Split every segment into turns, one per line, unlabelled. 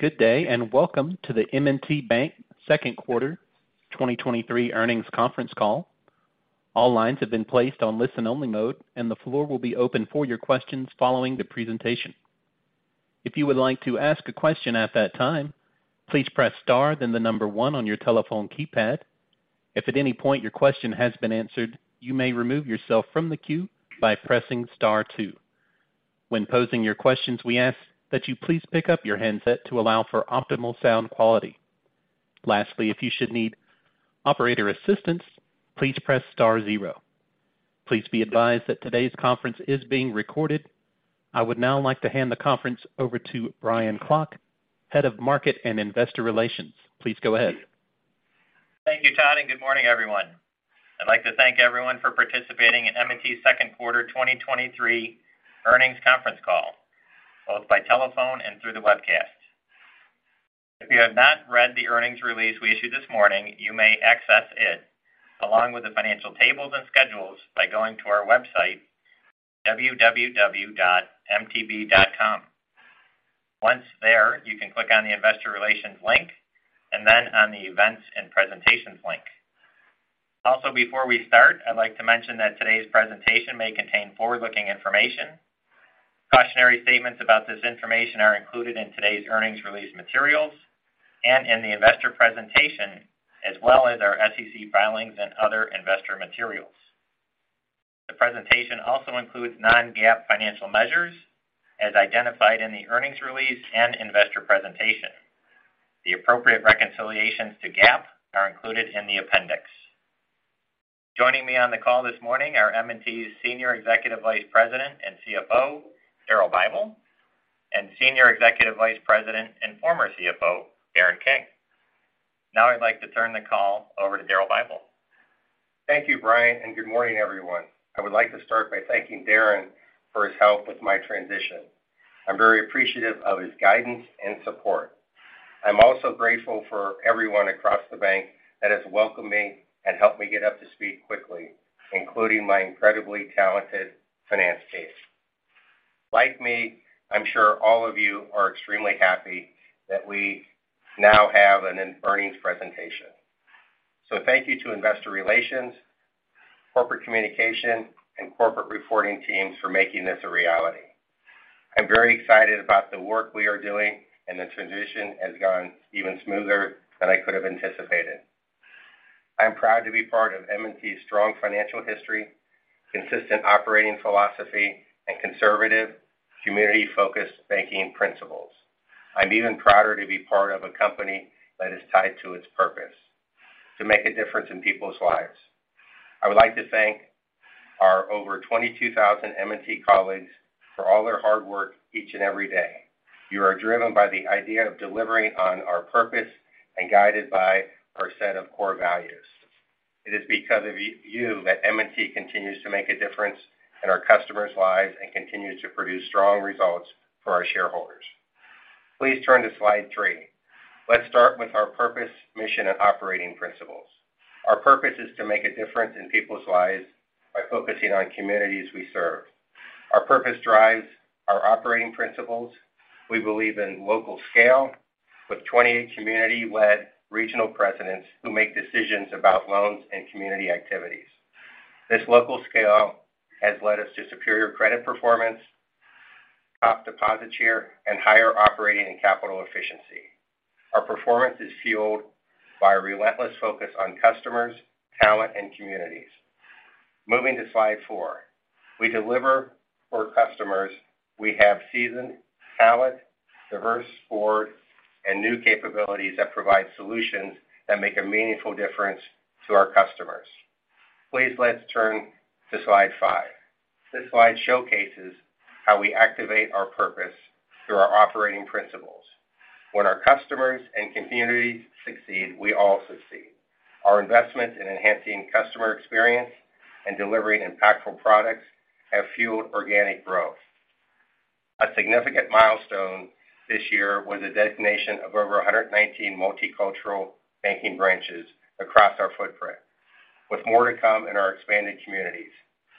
Good day, and welcome to the M&T Bank second quarter 2023 earnings conference call. All lines have been placed on listen-only mode, and the floor will be open for your questions following the presentation. If you would like to ask a question at that time, please press star, then the number one on your telephone keypad. If at any point your question has been answered, you may remove yourself from the queue by pressing star two. When posing your questions, we ask that you please pick up your handset to allow for optimal sound quality. Lastly, if you should need operator assistance, please press star zero. Please be advised that today's conference is being recorded. I would now like to hand the conference over to Brian Klock, Head of Markets and Investor Relations. Please go ahead.
Thank you, Todd. Good morning, everyone. I'd like to thank everyone for participating in M&T's second quarter 2023 earnings conference call, both by telephone and through the webcast. If you have not read the earnings release we issued this morning, you may access it, along with the financial tables and schedules, by going to our website, www.mtb.com. Once there, you can click on the Investor Relations link then on the Events and Presentations link. Before we start, I'd like to mention that today's presentation may contain forward-looking information. Cautionary statements about this information are included in today's earnings release materials and in the investor presentation, as well as our SEC filings and other investor materials. The presentation also includes non-GAAP financial measures, as identified in the earnings release and investor presentation. The appropriate reconciliations to GAAP are included in the appendix. Joining me on the call this morning are M&T's Senior Executive Vice President and CFO, Daryl Bible, and Senior Executive Vice President and former CFO, Darren King. I'd like to turn the call over to Daryl Bible.
Thank you, Brian, and good morning, everyone. I would like to start by thanking Darren for his help with my transition. I'm very appreciative of his guidance and support. I'm also grateful for everyone across the bank that has welcomed me and helped me get up to speed quickly, including my incredibly talented finance team. Like me, I'm sure all of you are extremely happy that we now have an earnings presentation. Thank you to Investor Relations, Corporate Communication, and Corporate Reporting teams for making this a reality. I'm very excited about the work we are doing, and the transition has gone even smoother than I could have anticipated. I'm proud to be part of M&T's strong financial history, consistent operating philosophy, and conservative, community-focused banking principles. I'm even prouder to be part of a company that is tied to its purpose, to make a difference in people's lives. I would like to thank our over 22,000 M&T colleagues for all their hard work each and every day. You are driven by the idea of delivering on our purpose and guided by our set of core values. It is because of you that M&T continues to make a difference in our customers' lives and continues to produce strong results for our shareholders. Please turn to slide three. Let's start with our purpose, mission, and operating principles. Our purpose is to make a difference in people's lives by focusing on communities we serve. Our purpose drives our operating principles. We believe in local scale, with 28 community-led regional presidents who make decisions about loans and community activities. This local scale has led us to superior credit performance, top deposit share, and higher operating and capital efficiency. Our performance is fueled by a relentless focus on customers, talent, and communities. Moving to slide four. We deliver for customers. We have seasoned, talented, diverse board and new capabilities that provide solutions that make a meaningful difference to our customers. Please, let's turn to slide five. This slide showcases how we activate our purpose through our operating principles. When our customers and communities succeed, we all succeed. Our investment in enhancing customer experience and delivering impactful products have fueled organic growth. A significant milestone this year was a designation of over 119 multicultural banking branches across our footprint, with more to come in our expanded communities.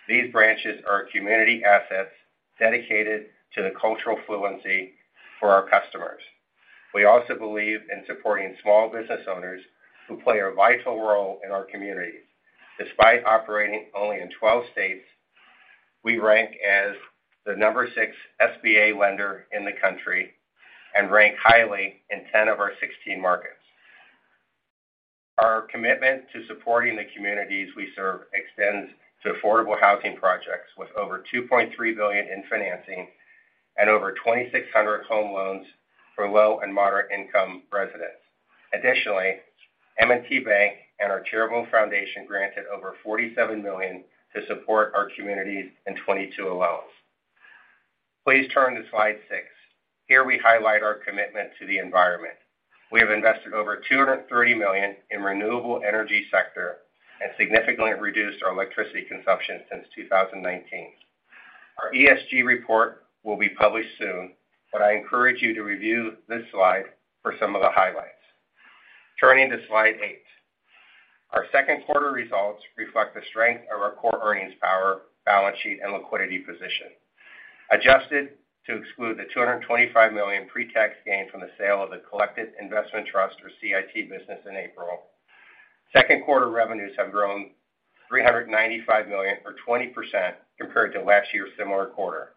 These branches are community assets dedicated to the cultural fluency for our customers. We also believe in supporting small business owners who play a vital role in our communities. Despite operating only in 12 states, we rank as the number six SBA lender in the country and rank highly in 10 of our 16 markets. Our commitment to supporting the communities we serve extends to affordable housing projects, with over $2.3 billion in financing and over 2,600 home loans for low and moderate income residents. Additionally, M&T Bank and our charitable foundation granted over $47 million to support our communities in 2022. Please turn to slide six. Here we highlight our commitment to the environment. We have invested over $230 million in renewable energy sector and significantly reduced our electricity consumption since 2019. Our ESG report will be published soon, but I encourage you to review this slide for some of the highlights. Turning to slide eight. Our second quarter results reflect the strength of our core earnings power, balance sheet, and liquidity position. Adjusted to exclude the $225 million pre-tax gain from the sale of the Collective Investment Trust or CIT business in April. Second quarter revenues have grown $395 million, or 20% compared to last year's similar quarter.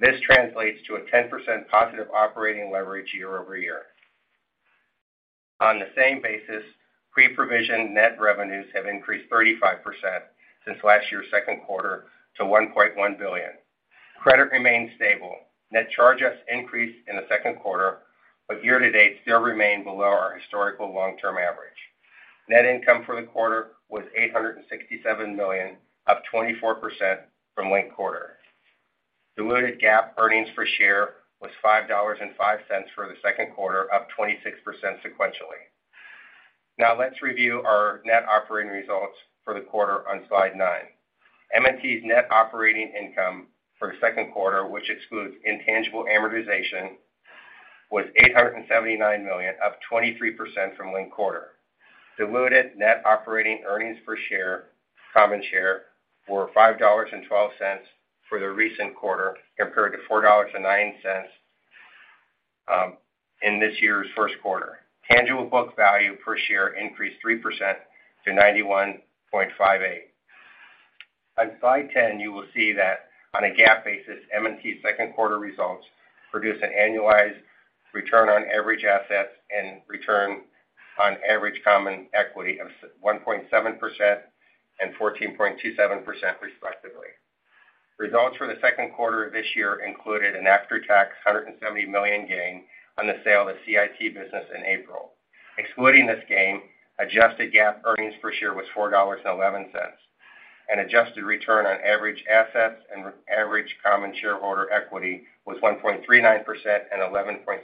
This translates to a 10% positive operating leverage year-over-year. On the same basis, pre-provision net revenues have increased 35% since last year's second quarter to $1.1 billion. Credit remains stable. Net charges increased in the second quarter, but year-to-date still remain below our historical long-term average. Net income for the quarter was $867 million, up 24% from linked quarter. Diluted GAAP earnings per share was $5.05 for the second quarter, up 26% sequentially. Let's review our net operating results for the quarter on slide nine. M&T's net operating income for the second quarter, which excludes intangible amortization, was $879 million, up 23% from linked quarter. Diluted net operating earnings per share, common share, were $5.12 for the recent quarter, compared to $4.09 in this year's first quarter. Tangible book value per share increased 3% to $91.58. On slide 10, you will see that on a GAAP basis, M&T's second quarter results produced an annualized return on average assets and return on average common equity of 1.7% and 14.27% respectively. Results for the second quarter of this year included an after-tax $170 million gain on the sale of the CIT business in April. Excluding this gain, adjusted GAAP earnings per share was $4.11, and adjusted return on average assets and average common shareholder equity was 1.39% and 11.6%.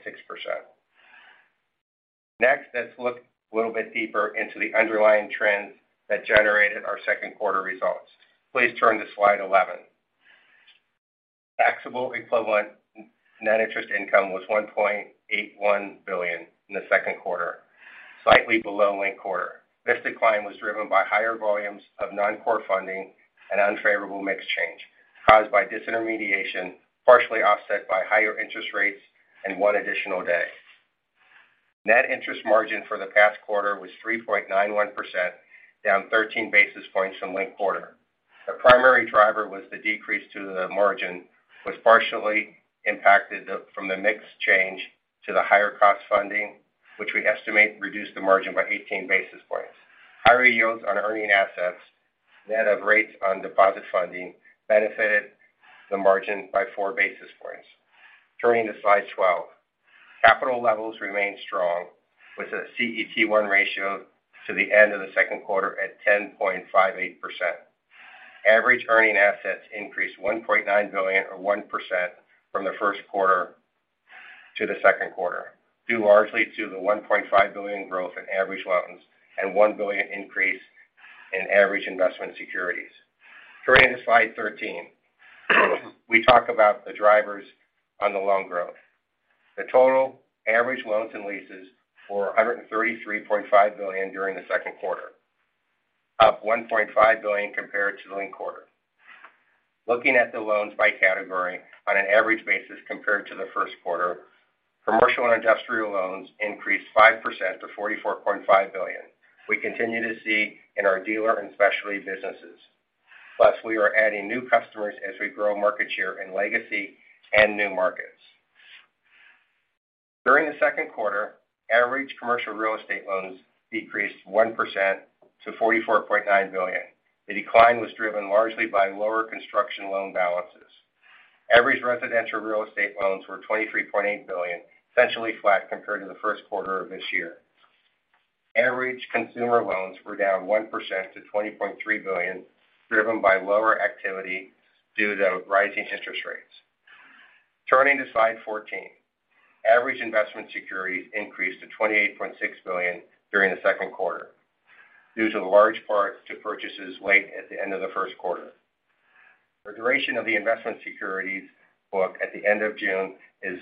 Let's look a little bit deeper into the underlying trends that generated our second quarter results. Please turn to slide 11. Taxable equivalent net interest income was $1.81 billion in the second quarter, slightly below linked quarter. This decline was driven by higher volumes of non-core funding and unfavorable mix change, caused by disintermediation, partially offset by higher interest rates and one additional day. Net interest margin for the past quarter was 3.91%, down 13 basis points from linked quarter. The primary driver was the decrease to the margin, was partially impacted from the mix change to the higher cost funding, which we estimate reduced the margin by 18 basis points. Higher yields on earning assets, net of rates on deposit funding, benefited the margin by 4 basis points. Turning to slide 12. Capital levels remained strong, with a CET1 ratio to the end of the second quarter at 10.58%. Average earning assets increased $1.9 billion, or 1%, from the first quarter to the second quarter, due largely to the $1.5 billion growth in average loans and $1 billion increase in average investment securities. Turning to slide 13, we talk about the drivers on the loan growth. The total average loans and leases for $133.5 billion during the second quarter, up $1.5 billion compared to the linked quarter. Looking at the loans by category on an average basis compared to the first quarter, commercial and industrial loans increased 5%-$44.5 billion. We continue to see in our dealer and specialty businesses, plus we are adding new customers as we grow market share in legacy and new markets. During the second quarter, average commercial real estate loans decreased 1%-$44.9 billion. The decline was driven largely by lower construction loan balances. Average residential real estate loans were $23.8 billion, essentially flat compared to the first quarter of this year. Average consumer loans were down 1%-$20.3 billion, driven by lower activity due to rising interest rates. Turning to slide 14. Average investment securities increased to $28.6 billion during the second quarter, due to large parts to purchases late at the end of the first quarter. The duration of the investment securities book at the end of June is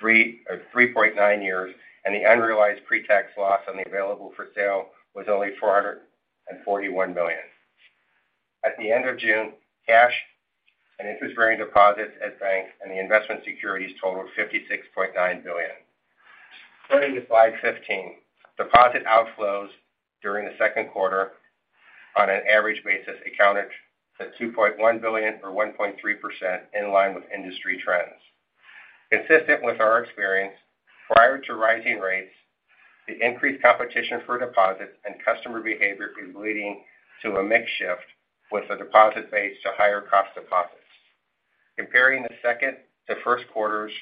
3, or 3.9 years, and the unrealized pre-tax loss on the Available for Sale was only $441 million. At the end of June, cash and interest-bearing deposits at banks and the investment securities totaled $56.9 billion. Turning to slide 15. Deposit outflows during the second quarter on an average basis accounted to $2.1 billion or 1.3% in line with industry trends. Consistent with our experience, prior to rising rates, the increased competition for deposits and customer behavior is leading to a mix shift with the deposit base to higher cost deposits. Comparing the second to first quarters,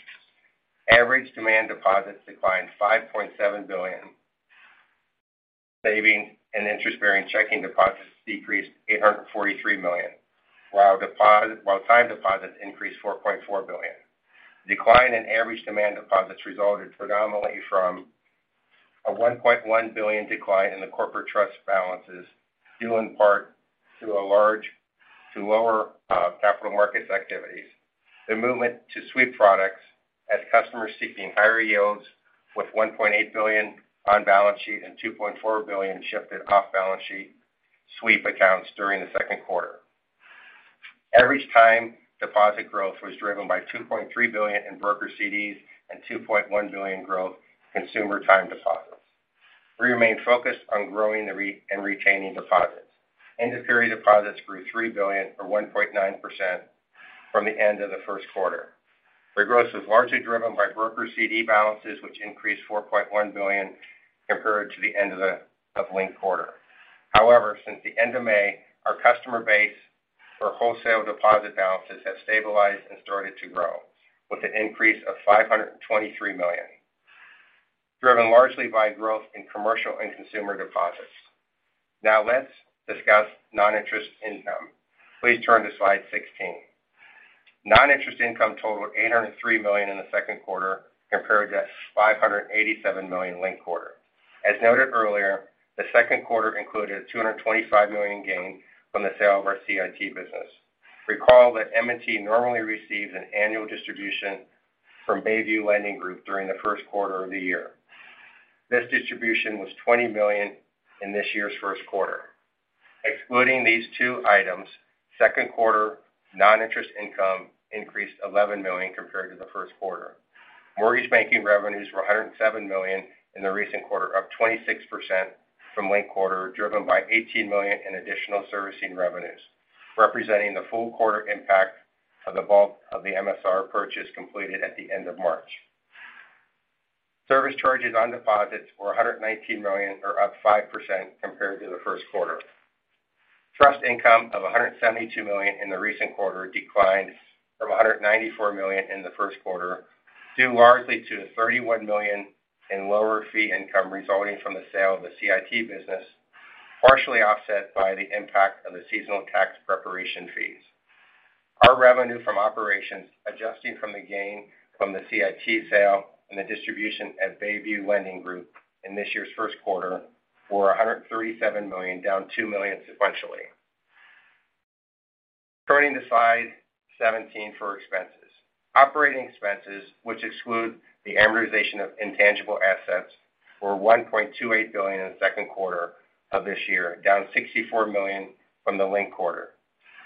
average demand deposits declined $5.7 billion, saving and interest-bearing checking deposits decreased $843 million, while time deposits increased $4.4 billion. Decline in average demand deposits resulted predominantly from a $1.1 billion decline in the corporate trust balances, due in part to lower capital markets activities. The movement to sweep products has customers seeking higher yields with $1.8 billion on balance sheet and $2.4 billion shifted off balance sheet sweep accounts during the second quarter. Average time deposit growth was driven by $2.3 billion in broker CDs and $2.1 billion growth consumer time deposits. We remain focused on growing and retaining deposits. End of period deposits grew $3 billion or 1.9% from the end of the first quarter. The growth was largely driven by broker CD balances, which increased $4.1 billion compared to the end of the linked quarter. Since the end of May, our customer base for wholesale deposit balances has stabilized and started to grow, with an increase of $523 million, driven largely by growth in commercial and consumer deposits. Let's discuss non-interest income. Please turn to slide 16. Non-interest income totaled $803 million in the second quarter, compared to $587 million linked quarter. As noted earlier, the second quarter included a $225 million gain from the sale of our CIT business. Recall that M&T normally receives an annual distribution from Bayview Lending Group during the first quarter of the year. This distribution was $20 million in this year's first quarter. Excluding these two items, second quarter non-interest income increased $11 million compared to the first quarter. Mortgage banking revenues were $107 million in the recent quarter, up 26% from linked quarter, driven by $18 million in additional servicing revenues, representing the full quarter impact of the bulk of the MSR purchase completed at the end of March. Service charges on deposits were $119 million, or up 5% compared to the first quarter. Trust income of $172 million in the recent quarter declined from $194 million in the first quarter, due largely to $31 million in lower fee income resulting from the sale of the CIT business, partially offset by the impact of the seasonal tax preparation fees. Our revenue from operations, adjusting from the gain from the CIT sale and the distribution at Bayview Lending Group in this year's first quarter, were $137 million, down $2 million sequentially. Turning to slide 17 for expenses. Operating expenses, which exclude the amortization of intangible assets, were $1.28 billion in the second quarter of this year, down $64 million from the linked quarter.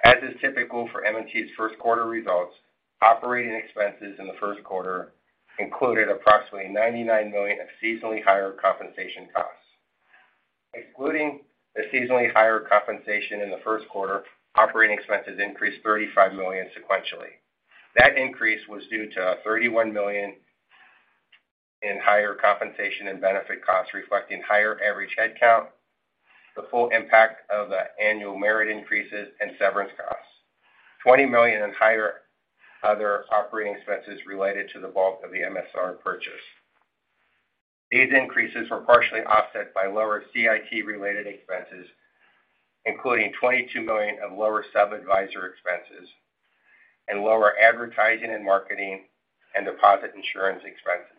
As is typical for M&T's first quarter results, operating expenses in the first quarter included approximately $99 million of seasonally higher compensation costs. Excluding the seasonally higher compensation in the first quarter, operating expenses increased $35 million sequentially. That increase was due to $31 million in higher compensation and benefit costs, reflecting higher average headcount, the full impact of the annual merit increases and severance costs. $20 million in higher other operating expenses related to the bulk of the MSR purchase. These increases were partially offset by lower CIT-related expenses, including $22 million of lower sub-adviser expenses and lower advertising and marketing and deposit insurance expenses.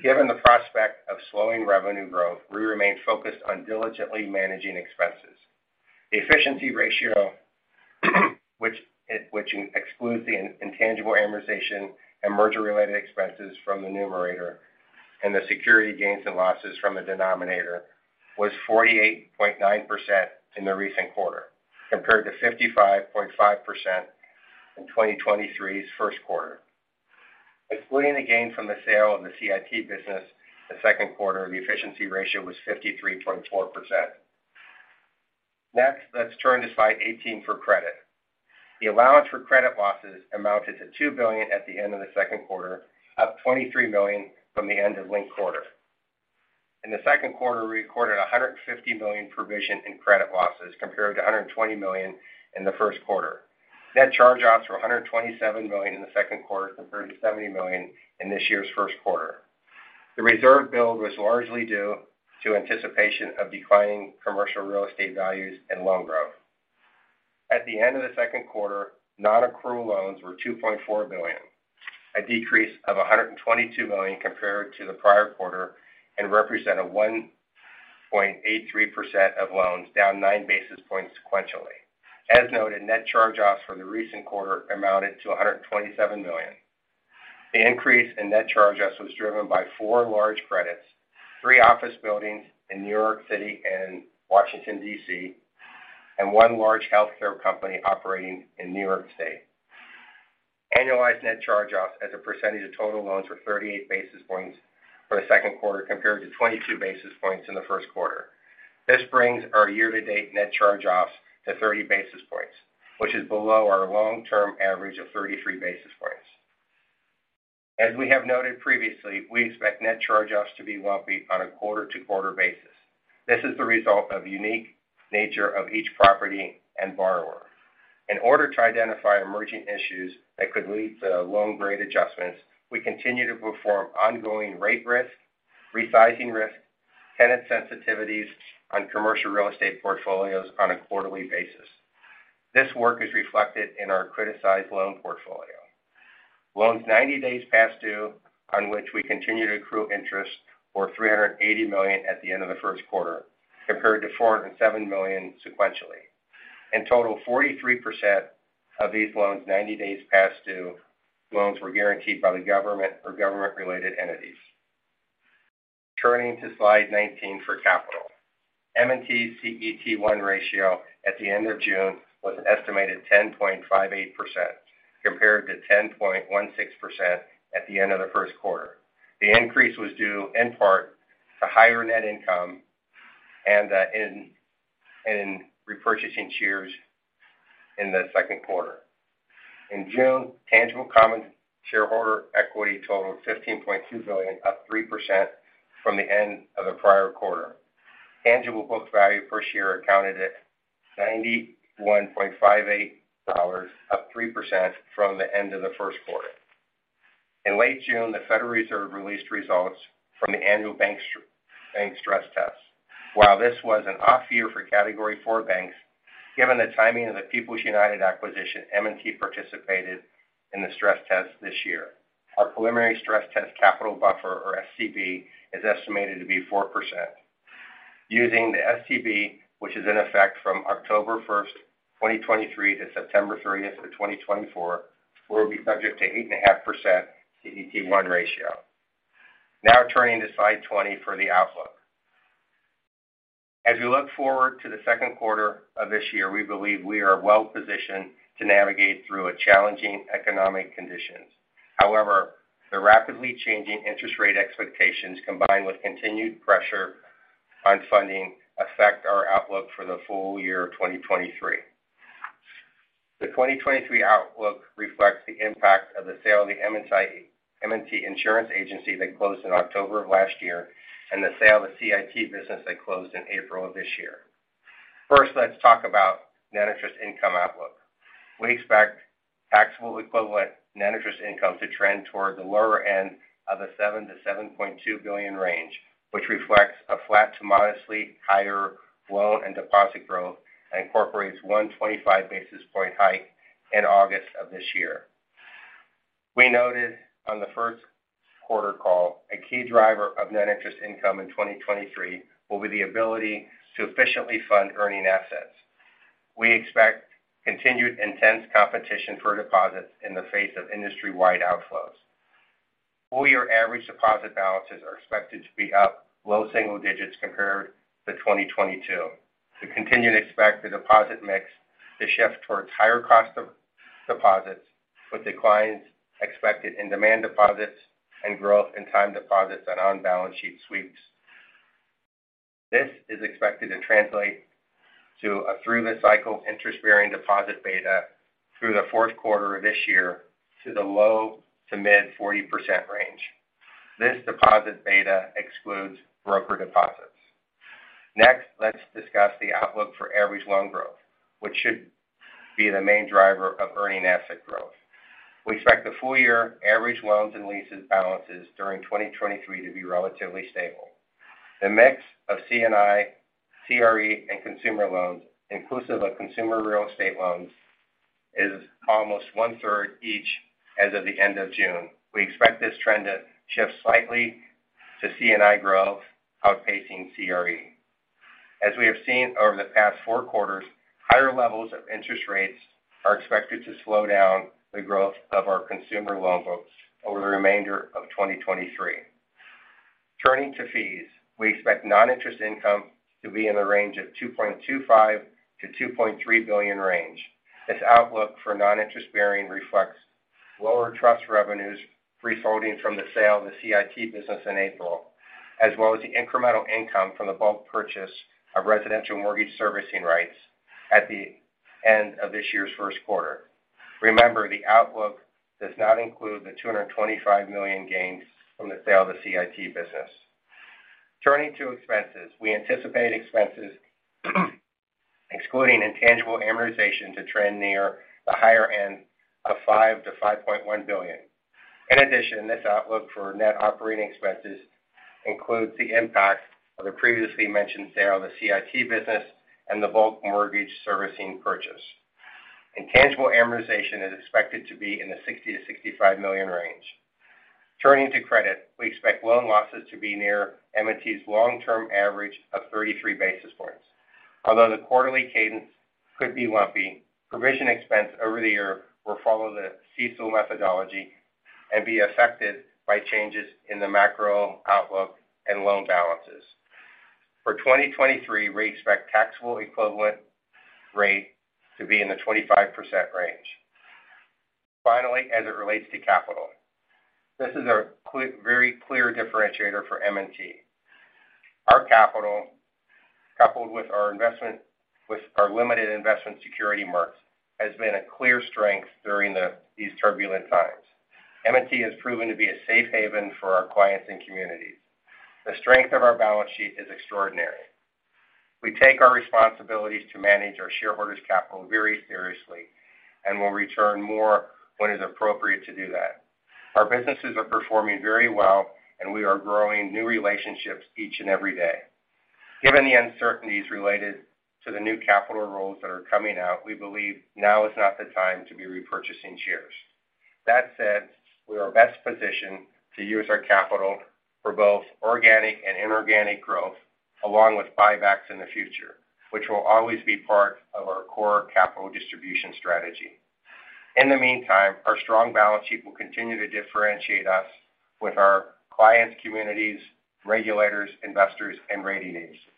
Given the prospect of slowing revenue growth, we remain focused on diligently managing expenses. The efficiency ratio, which excludes the intangible amortization and merger-related expenses from the numerator, and the security gains and losses from the denominator, was 48.9% in the recent quarter, compared to 55.5% in 2023's first quarter. Excluding the gain from the sale of the CIT business, the second quarter, the efficiency ratio was 53.4%. Next, let's turn to slide 18 for credit. The allowance for credit losses amounted to $2 billion at the end of the second quarter, up $23 million from the end of linked quarter. In the second quarter, we recorded a $150 million provision in credit losses, compared to $120 million in the first quarter. Net charge-offs were $127 million in the second quarter, compared to $70 million in this year's first quarter. The reserve build was largely due to anticipation of declining Commercial Real Estate values and loan growth. At the end of the second quarter, non-accrual loans were $2.4 billion, a decrease of $122 million compared to the prior quarter and represent a 1.83% of loans, down 9 basis points sequentially. As noted, net charge-offs for the recent quarter amounted to $127 million. The increase in net charge-offs was driven by four large credits, three office buildings in New York City and Washington, D.C., and one large healthcare company operating in New York State. Annualized net charge-offs as a percentage of total loans were 38 basis points for the second quarter, compared to 22 basis points in the first quarter. This brings our year-to-date net charge-offs to 30 basis points, which is below our long-term average of 33 basis points. As we have noted previously, we expect net charge-offs to be lumpy on a quarter-to-quarter basis. This is the result of unique nature of each property and borrower. In order to identify emerging issues that could lead to loan grade adjustments, we continue to perform ongoing rate risk, resizing risk, tenant sensitivities on commercial real estate portfolios on a quarterly basis. This work is reflected in our criticized loan portfolio. Loans 90 days past due, on which we continue to accrue interest, were $380 million at the end of the first quarter, compared to $407 million sequentially. In total, 43% of these loans, 90 days past due loans were guaranteed by the government or government-related entities. Turning to slide 19 for capital. M&T CET1 ratio at the end of June was an estimated 10.58%, compared to 10.16% at the end of the first quarter. The increase was due, in part, to higher net income and in repurchasing shares in the second quarter. In June, tangible common shareholder equity totaled $15.2 billion, up 3% from the end of the prior quarter. Tangible book value per share accounted at $91.58, up 3% from the end of the first quarter. In late June, the Federal Reserve released results from the annual bank stress test. While this was an off year for Category IV banks, given the timing of the People's United acquisition, M&T participated in the stress test this year. Our preliminary stress test capital buffer, or STB, is estimated to be 4%. Using the STB, which is in effect from October 1, 2023 to September 30 of 2024, we'll be subject to 8.5% CET1 ratio. Now turning to slide 20 for the outlook. As we look forward to the second quarter of this year, we believe we are well positioned to navigate through a challenging economic conditions. The rapidly changing interest rate expectations, combined with continued pressure on funding, affect our outlook for the full year of 2023. The 2023 outlook reflects the impact of the sale of the M&T Insurance Agency that closed in October of last year, and the sale of CIT business that closed in April of this year. Let's talk about net interest income outlook. We expect taxable equivalent net interest income to trend toward the lower end of the $7 billion-$7.2 billion range, which reflects a flat to modestly higher loan and deposit growth and incorporates 125 basis point hike in August of this year. We noted on the first quarter call, a key driver of net interest income in 2023 will be the ability to efficiently fund earning assets. We expect continued intense competition for deposits in the face of industry-wide outflows. Full year average deposit balances are expected to be up low single digits compared to 2022. We continue to expect the deposit mix to shift towards higher cost of deposits, with declines expected in demand deposits and growth in time deposits and on-balance sheet sweeps. This is expected to translate to a through the cycle interest-bearing deposit beta through the fourth quarter of this year to the low to mid 40% range. This deposit beta excludes broker deposits. Let's discuss the outlook for average loan growth, which should be the main driver of earning asset growth. We expect the full year average loans and leases balances during 2023 to be relatively stable. The mix of C&I, CRE, and consumer loans, inclusive of consumer real estate loans, is almost one-third each as of the end of June. We expect this trend to shift slightly to C&I growth, outpacing CRE. As we have seen over the past four quarters, higher levels of interest rates are expected to slow down the growth of our consumer loan books over the remainder of 2023. Turning to fees, we expect non-interest income to be in the range of $2.25 billion-$2.3 billion range. This outlook for non-interest bearing reflects lower trust revenues, free floating from the sale of the CIT business in April, as well as the incremental income from the bulk purchase of residential mortgage servicing rights at the end of this year's first quarter. Remember, the outlook does not include the $225 million gains from the sale of the CIT business. Turning to expenses. We anticipate expenses, excluding intangible amortization, to trend near the higher end of $5 billion-$5.1 billion. This outlook for net operating expenses includes the impact of the previously mentioned sale of the CIT business and the bulk mortgage servicing purchase. Intangible amortization is expected to be in the $60 million-$65 million range. Turning to credit, we expect loan losses to be near M&T's long-term average of 33 basis points. Although the quarterly cadence could be lumpy, provision expense over the year will follow the CECL methodology and be affected by changes in the macro outlook and loan balances. For 2023, we expect taxable equivalent rate to be in the 25% range. Finally, as it relates to capital, this is a very clear differentiator for M&T. Our capital, coupled with our limited investment security marks, has been a clear strength during these turbulent times. M&T has proven to be a safe haven for our clients and communities. The strength of our balance sheet is extraordinary. We take our responsibilities to manage our shareholders' capital very seriously and will return more when it's appropriate to do that. Our businesses are performing very well, and we are growing new relationships each and every day. Given the uncertainties related to the new capital rules that are coming out, we believe now is not the time to be repurchasing shares. That said, we are best positioned to use our capital for both organic and inorganic growth, along with buybacks in the future, which will always be part of our core capital distribution strategy. In the meantime, our strong balance sheet will continue to differentiate us with our clients, communities, regulators, investors, and rating agencies.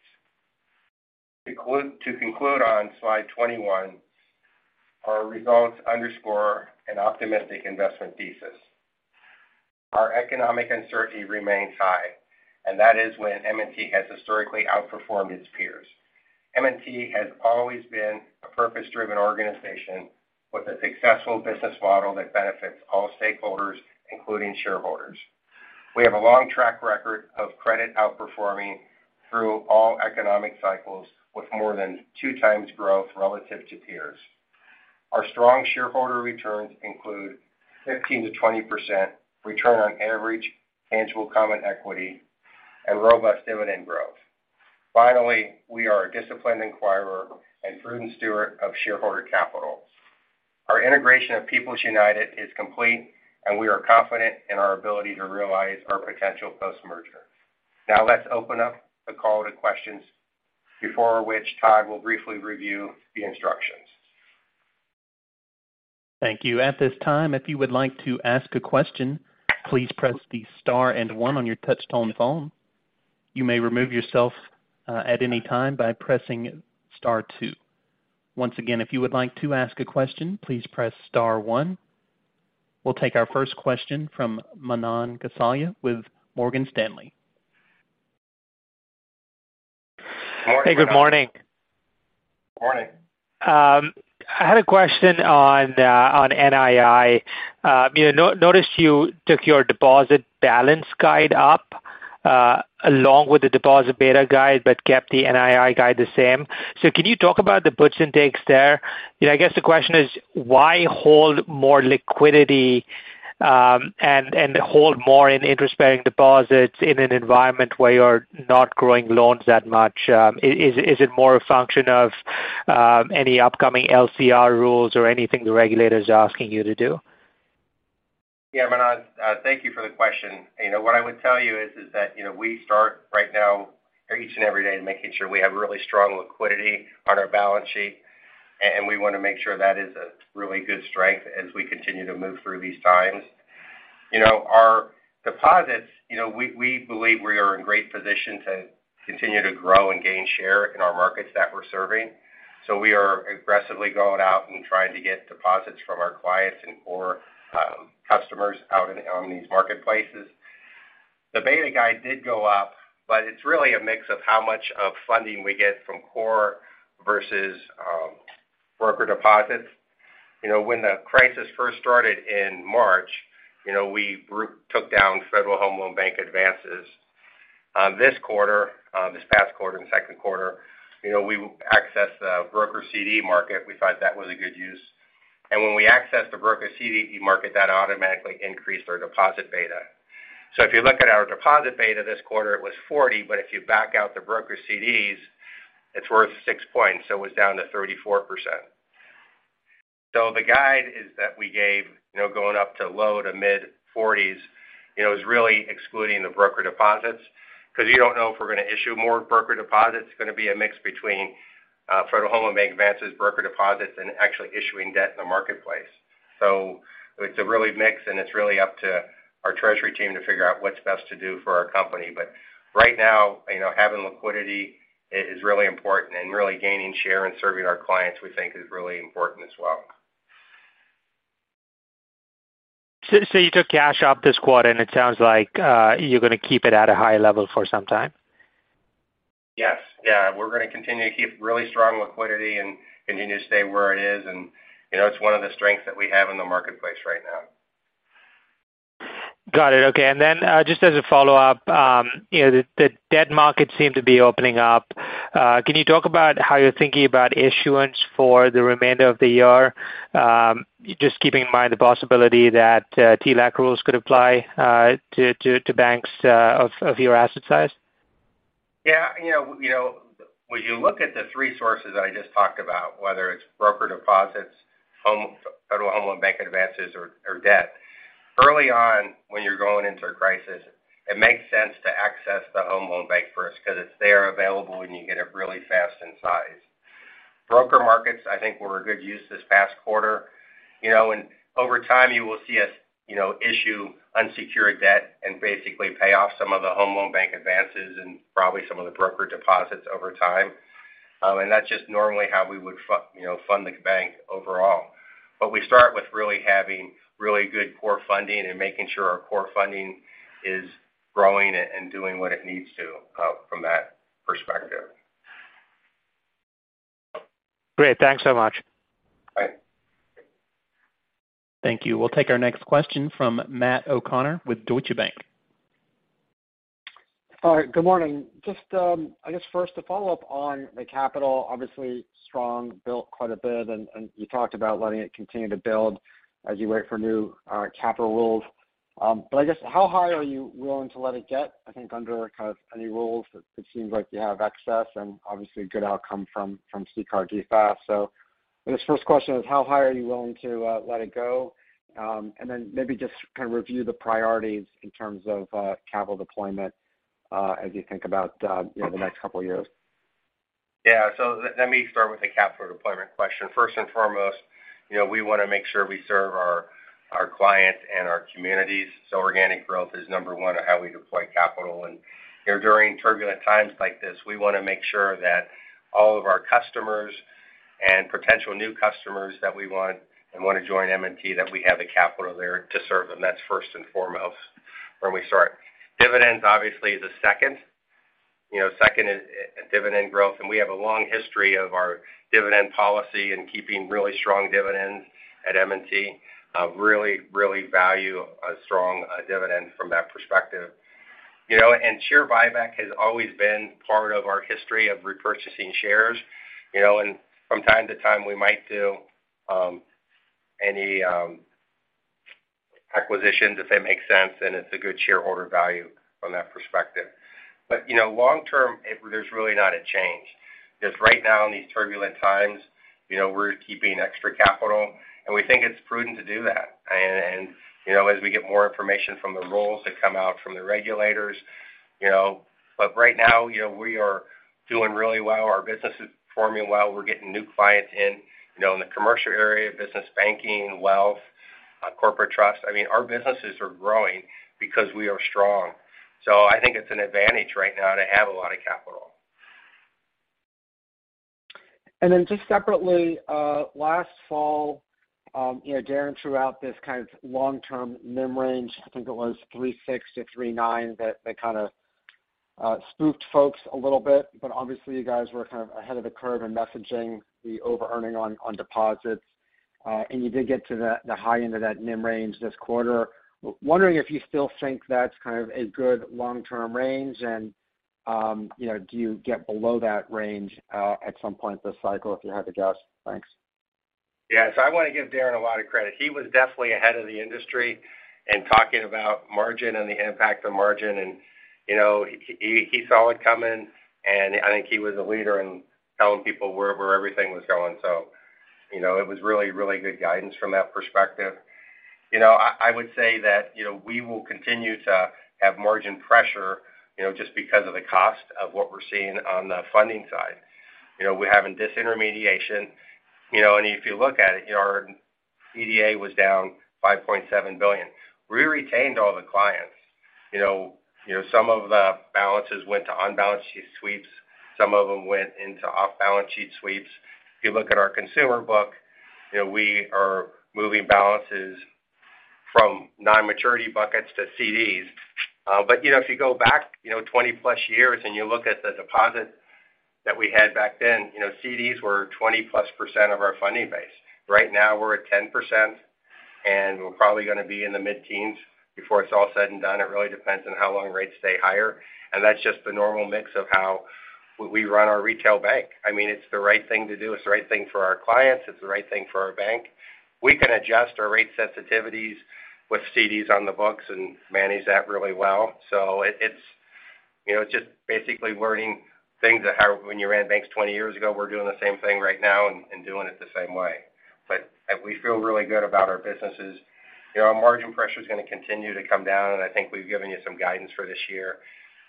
To conclude on slide 21, our results underscore an optimistic investment thesis. Our economic uncertainty remains high. That is when M&T has historically outperformed its peers. M&T has always been a purpose-driven organization with a successful business model that benefits all stakeholders, including shareholders. We have a long track record of credit outperforming through all economic cycles, with more than 2x growth relative to peers. Our strong shareholder returns include 15%-20% return on average tangible common equity and robust dividend growth. Finally, we are a disciplined inquirer and prudent steward of shareholder capital. Our integration of People's United is complete, and we are confident in our ability to realize our potential post-merger. Now, let's open up the call to questions, before which Todd will briefly review the instructions.
Thank you. At this time, if you would like to ask a question, please press the star and one on your touchtone phone. You may remove yourself at any time by pressing star two. Once again, if you would like to ask a question, please press star one. We'll take our first question from Manan Gosalia with Morgan Stanley.
Hey, good morning.
Morning.
I had a question on NII. You know, noticed you took your deposit balance guide up along with the deposit beta guide, but kept the NII guide the same. Can you talk about the puts and takes there? I guess the question is, why hold more liquidity, and hold more in interest-bearing deposits in an environment where you're not growing loans that much? Is it more a function of any upcoming LCR rules or anything the regulators are asking you to do?
Yeah, Manan, thank you for the question. You know, what I would tell you is that, you know, we start right now, each and every day, making sure we have really strong liquidity on our balance sheet, and we want to make sure that is a really good strength as we continue to move through these times. You know, our deposits, you know, we believe we are in great position to continue to grow and gain share in our markets that we're serving. We are aggressively going out and trying to get deposits from our clients and core customers out in, on these marketplaces. The beta guide did go up, it's really a mix of how much of funding we get from core versus broker deposits. When the crisis first started in March, you know, we took down Federal Home Loan Bank advances. On this quarter, this past quarter, in the second quarter, you know, we accessed the broker CD market. We thought that was a good use. When we accessed the broker CD market, that automatically increased our deposit beta. If you look at our deposit beta this quarter, it was 40, but if you back out the broker CDs, it's worth 6 points, so it was down to 34%. The guide is that we gave, you know, going up to low to mid-40s, you know, is really excluding the broker deposits, because you don't know if we're going to issue more broker deposits. It's going to be a mix between Federal Home Loan Bank advances, broker deposits, and actually issuing debt in the marketplace. It's a really mix, and it's really up to our treasury team to figure out what's best to do for our company. Right now, you know, having liquidity is really important, and really gaining share and serving our clients, we think is really important as well.
You took cash off this quarter, and it sounds like, you're going to keep it at a high level for some time?
Yes. Yeah, we're going to continue to keep really strong liquidity and continue to stay where it is. You know, it's one of the strengths that we have in the marketplace right now.
Got it. Okay. Then, just as a follow-up, you know, the debt markets seem to be opening up. Can you talk about how you're thinking about issuance for the remainder of the year? Just keeping in mind the possibility that TLAC rules could apply to banks of your asset size.
Yeah, when you look at the three sources that I just talked about, whether it's broker deposits, Federal Home Loan Bank advances or debt. Early on, when you're going into a crisis, it makes sense to access the Home Loan Bank first, because it's there available, and you get it really fast in size. Broker markets, I think, were a good use this past quarter. Over time, you will see us, you know, issue unsecured debt and basically pay off some of the Home Loan Bank advances and probably some of the broker deposits over time. That's just normally how we would fund the bank overall. We start with really having really good core funding and making sure our core funding is growing and doing what it needs to from that perspective.
Great. Thanks so much.
Bye.
Thank you. We'll take our next question from Matt O'Connor, with Deutsche Bank.
All right, good morning. Just, I guess first, to follow up on the capital, obviously, strong, built quite a bit, and you talked about letting it continue to build as you wait for new, capital rules. I guess, how high are you willing to let it get? I think under kind of any rules, it seems like you have excess and obviously a good outcome from CCAR DFAST. I guess first question is, how high are you willing to, let it go? Maybe just kind of review the priorities in terms of, capital deployment, as you think about, you know, the next couple of years.
Yeah. Let me start with the capital deployment question. First and foremost, you know, we want to make sure we serve our clients and our communities, so organic growth is number one on how we deploy capital. You know, during turbulent times like this, we want to make sure that all of our customers and potential new customers that we want and want to join M&T, that we have the capital there to serve them. That's first and foremost where we start. Dividends, obviously, is the second. You know, second is dividend growth, and we have a long history of our dividend policy and keeping really strong dividends at M&T. Really value a strong dividend from that perspective. You know, share buyback has always been part of our history of repurchasing shares, you know, and from time to time, we might do any acquisitions, if that makes sense, and it's a good shareholder value from that perspective. You know, long term, there's really not a change. Just right now, in these turbulent times, you know, we're keeping extra capital, and we think it's prudent to do that. You know, as we get more information from the rules that come out from the regulators. Right now, you know, we are doing really well. Our business is performing well. We're getting new clients in, you know, in the commercial area, business banking, wealth, corporate trust. I mean, our businesses are growing because we are strong. I think it's an advantage right now to have a lot of capital.
Just separately, last fall, you know, Darren threw out this kind of long-term NIM range. I think it was 3.6%-3.9%, that kind of spooked folks a little bit, but obviously, you guys were kind of ahead of the curve in messaging the overearning on deposits. You did get to the high end of that NIM range this quarter. Wondering if you still think that's kind of a good long-term range? You know, do you get below that range, at some point this cycle, if you had to guess? Thanks.
I want to give Darren a lot of credit. He was definitely ahead of the industry in talking about margin and the impact of margin. You know, he saw it coming, and I think he was a leader in telling people where everything was going. You know, it was really good guidance from that perspective. I would say that, you know, we will continue to have margin pressure, you know, just because of the cost of what we're seeing on the funding side. We're having disintermediation, you know, and if you look at it, our DDA was down $5.7 billion. We retained all the clients. You know, some of the balances went to on-balance sheet sweeps, some of them went into off-balance sheet sweeps. If you look at our consumer book, you know, we are moving balances from non-maturity buckets to CDs. If you go back, you know, 20+ years and you look at the deposits that we had back then, you know, CDs were 20-plus% of our funding base. Right now, we're at 10%, and we're probably going to be in the mid-teens before it's all said and done. It really depends on how long rates stay higher, and that's just the normal mix of how we run our retail bank. I mean, it's the right thing to do. It's the right thing for our clients. It's the right thing for our bank. We can adjust our rate sensitivities with CDs on the books and manage that really well. It's, you know, just basically learning things that when you ran banks 20 years ago, we're doing the same thing right now and doing it the same way. We feel really good about our businesses. You know, our margin pressure is going to continue to come down, and I think we've given you some guidance for this year.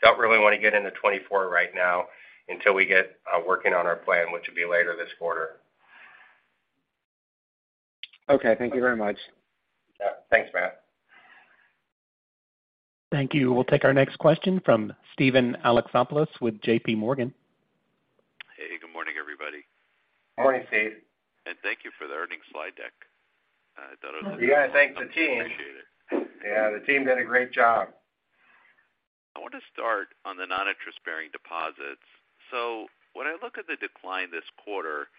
Don't really want to get into 2024 right now, until we get working on our plan, which will be later this quarter.
Okay. Thank you very much.
Yeah. Thanks, Matt.
Thank you. We'll take our next question from Steven Alexopoulos with JPMorgan.
Hey, good morning, everybody.
Morning, Steve.
Thank you for the earnings slide deck. I thought it was-.
You gotta thank the team.
Appreciate it.
Yeah, the team did a great job.
I want to start on the non-interest bearing deposits. When I look at the decline this quarter,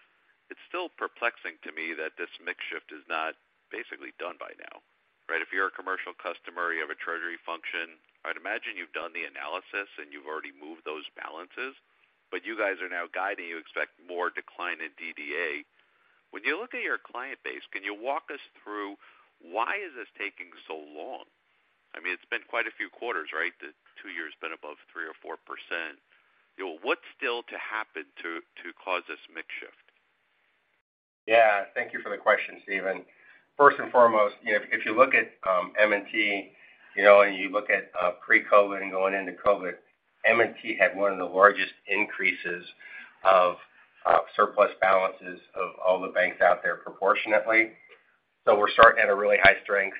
it's still perplexing to me that this mix shift is not basically done by now, right? If you're a commercial customer, you have a treasury function, I'd imagine you've done the analysis, and you've already moved those balances, but you guys are now guiding, you expect more decline in DDA. When you look at your client base, can you walk us through why is this taking so long? I mean, it's been quite a few quarters, right? The two years have been above 3% or 4%. You know, what's still to happen to cause this mix shift?
Yeah, thank you for the question, Steven. First and foremost, you know, if you look at M&T, you know, you look at pre-COVID and going into COVID, M&T had one of the largest increases of surplus balances of all the banks out there, proportionately. We're starting at a really high strength.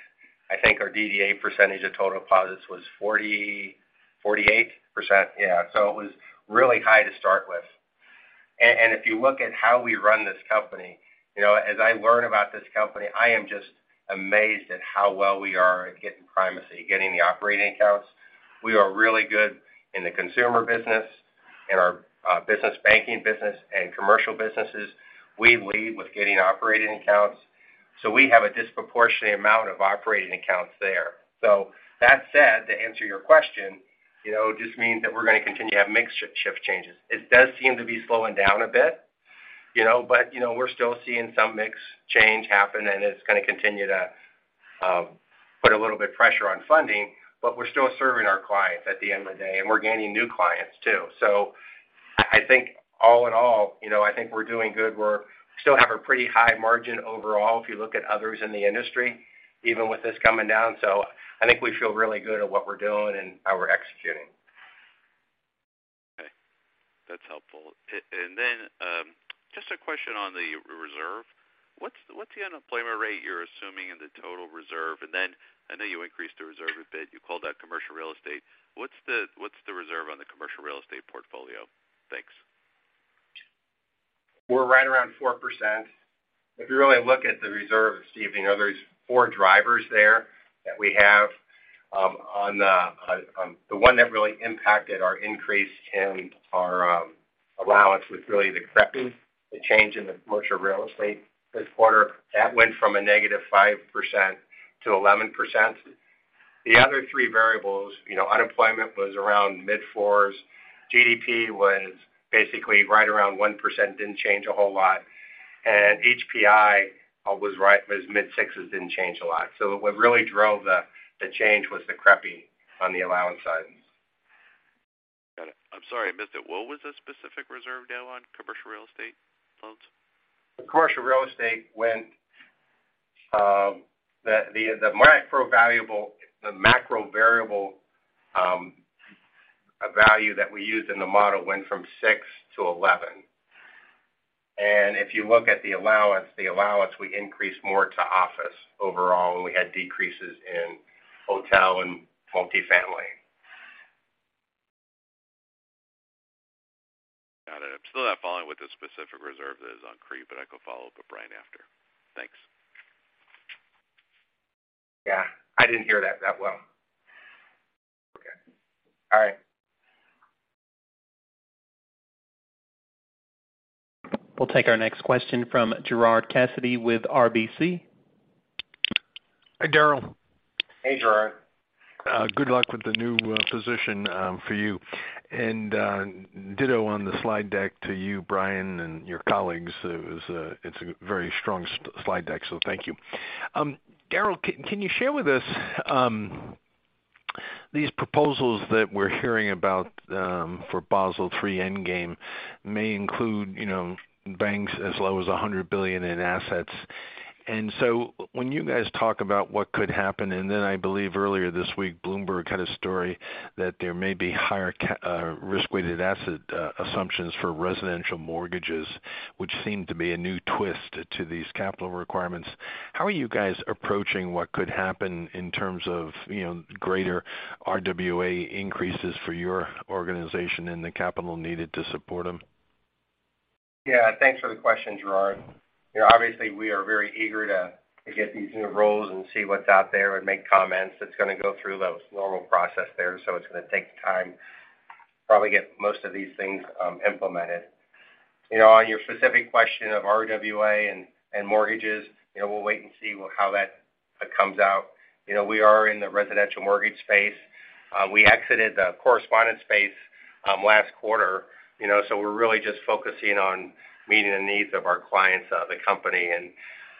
I think our DDA percentage of total deposits was 48%. Yeah, it was really high to start with. If you look at how we run this company, you know, as I learn about this company, I am just amazed at how well we are at getting primacy, getting the operating accounts. We are really good in the consumer business, in our business banking business, and commercial businesses. We lead with getting operating accounts, we have a disproportionate amount of operating accounts there. That said, to answer your question, you know, it just means that we're going to continue to have mix shift changes. It does seem to be slowing down a bit. You know, we're still seeing some mix change happen, and it's going to continue to put a little bit pressure on funding. We're still serving our clients at the end of the day, and we're gaining new clients, too. I think all in all, you know, I think we're doing good. We still have a pretty high margin overall, if you look at others in the industry, even with this coming down. I think we feel really good at what we're doing and how we're executing.
Okay, that's helpful. Just a question on the reserve. What's the unemployment rate you're assuming in the total reserve? I know you increased the reserve a bit. You called out commercial real estate. What's the reserve on the commercial real estate portfolio? Thanks.
We're right around 4%. If you really look at the reserve, Steven, you know, there's four drivers there that we have, the one that really impacted our increase in our allowance was really the CREPI, the change in the Commercial Real Estate this quarter. That went from a -5%-11%. The other three variables, you know, unemployment was around mid-4s. GDP was basically right around 1%, didn't change a whole lot. HPI was right, was mid-6s, didn't change a lot. What really drove the change was the CREPI on the allowance side.
Got it. I'm sorry, I missed it. What was the specific reserve now on commercial real estate loans?
Commercial Real Estate went, the macro variable value that we used in the model went from 6-11. If you look at the allowance, we increased more to office overall, and we had decreases in hotel and multifamily.
Got it. I'm still not following with the specific reserve that is on CREPI, but I can follow up with Brian after. Thanks.
Yeah, I didn't hear that that well.
Okay.
All right.
We'll take our next question from Gerard Cassidy with RBC.
Hi, Daryl.
Hey, Gerard.
Good luck with the new position for you. Ditto on the slide deck to you, Brian, and your colleagues. It was a very strong slide deck, so thank you. Daryl, can you share with us these proposals that we're hearing about for Basel III endgame may include, you know, banks as low as $100 billion in assets. When you guys talk about what could happen, I believe earlier this week, Bloomberg had a story that there may be higher risk-weighted asset assumptions for residential mortgages, which seem to be a new twist to these capital requirements. How are you guys approaching what could happen in terms of, you know, greater RWA increases for your organization and the capital needed to support them?
Yeah, thanks for the question, Gerard. You know, obviously, we are very eager to get these new rules and see what's out there and make comments. It's going to go through the normal process there, so it's going to take time, probably get most of these things implemented. You know, on your specific question of RWA and mortgages, you know, we'll wait and see how that comes out. You know, we are in the residential mortgage space. We exited the correspondent space last quarter, you know, so we're really just focusing on meeting the needs of our clients, the company.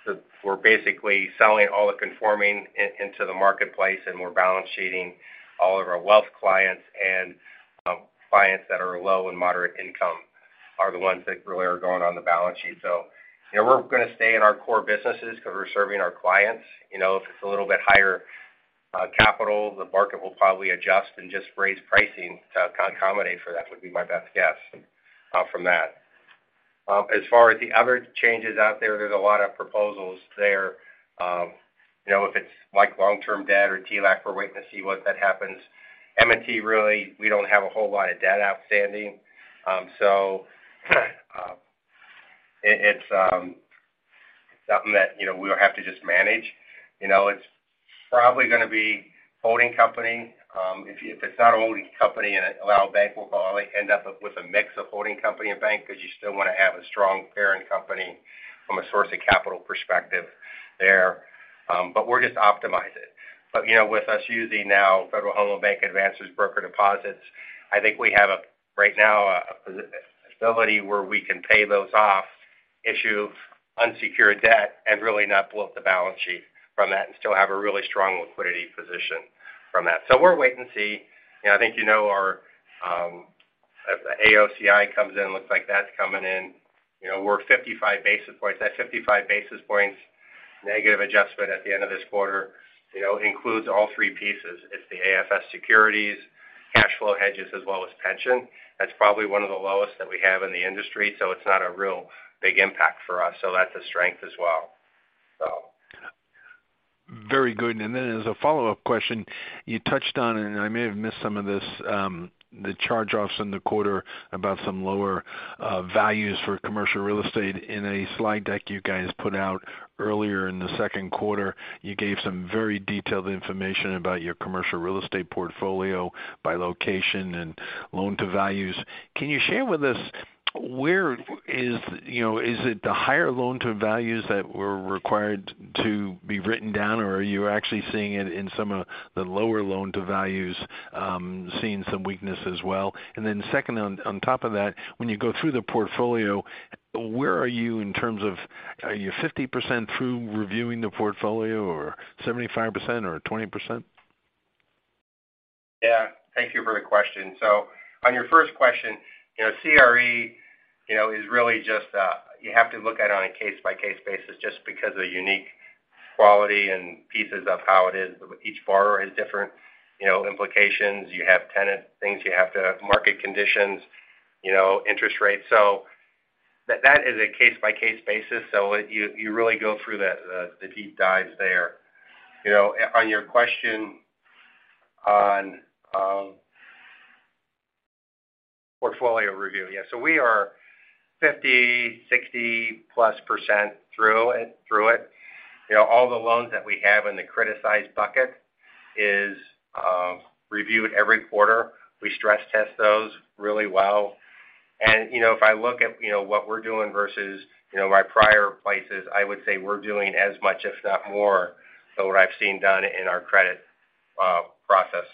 So we're basically selling all the conforming into the marketplace, and we're balance sheeting all of our wealth clients and clients that are low and moderate income, are the ones that really are going on the balance sheet. You know, we're going to stay in our core businesses because we're serving our clients. You know, if it's a little bit higher, capital, the market will probably adjust and just raise pricing to accommodate for that, would be my best guess, from that. As far as the other changes out there's a lot of proposals there. You know, if it's like long-term debt or TLAC, we're waiting to see what that happens. M&T, really, we don't have a whole lot of debt outstanding. It, it's, something that, you know, we'll have to just manage. You know, it's probably going to be holding company. If, if it's not a holding company and it allow bank, we'll probably end up with a mix of holding company and bank because you still want to have a strong parent company from a source of capital perspective there. We'll just optimize it. You know, with us using now Federal Home Loan Bank advances, broker deposits, I think we have, right now, an ability where we can pay those off, issue unsecured debt, and really not blow up the balance sheet from that and still have a really strong liquidity position from that. We're wait and see. You know, I think you know our, if the AOCI comes in, looks like that's coming in. You know, we're 55 basis points. That 55 basis points negative adjustment at the end of this quarter, you know, includes all three pieces. It's the AFS securities, cash flow hedges, as well as pension. That's probably one of the lowest that we have in the industry, so it's not a real big impact for us. That's a strength as well.
Very good. As a follow-up question, you touched on, and I may have missed some of this, the charge-offs in the quarter about some lower values for commercial real estate. In a slide deck you guys put out earlier in the second quarter, you gave some very detailed information about your commercial real estate portfolio by location and loan-to-values. Can you share with us where is you know, is it the higher loan-to-values that were required to be written down, or are you actually seeing it in some of the lower loan-to-values, seeing some weakness as well? Second, on top of that, when you go through the portfolio, where are you in terms of, are you 50% through reviewing the portfolio, or 75%, or 20%?
Thank you for the question. On your first question, you know, CRE, you know, is really just, you have to look at it on a case-by-case basis just because of the unique quality and pieces of how it is. Each borrower has different, you know, implications. You have tenant things, you have to have market conditions, you know, interest rates. That is a case-by-case basis. You really go through the deep dives there. You know, on your question on portfolio review. Yeah, we are 50%+, 60%+ through it. You know, all the loans that we have in the criticized bucket is reviewed every quarter. We stress test those really well. You know, if I look at, you know, what we're doing versus, you know, my prior places, I would say we're doing as much, if not more, than what I've seen done in our credit process.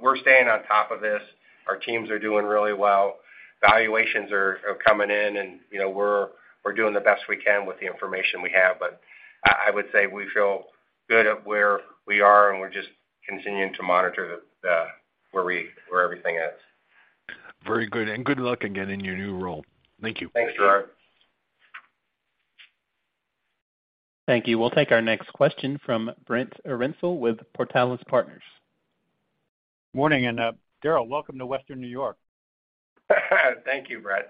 We're staying on top of this. Our teams are doing really well. Valuations are coming in, and, you know, we're doing the best we can with the information we have, but I would say we feel good at where we are, and we're just continuing to monitor where everything is.
Very good. Good luck again in your new role. Thank you.
Thanks, Gerard.
Thank you. We'll take our next question from Brent Erensel with Portales Partners.
Morning. Daryl, welcome to Western New York.
Thank you, Brent.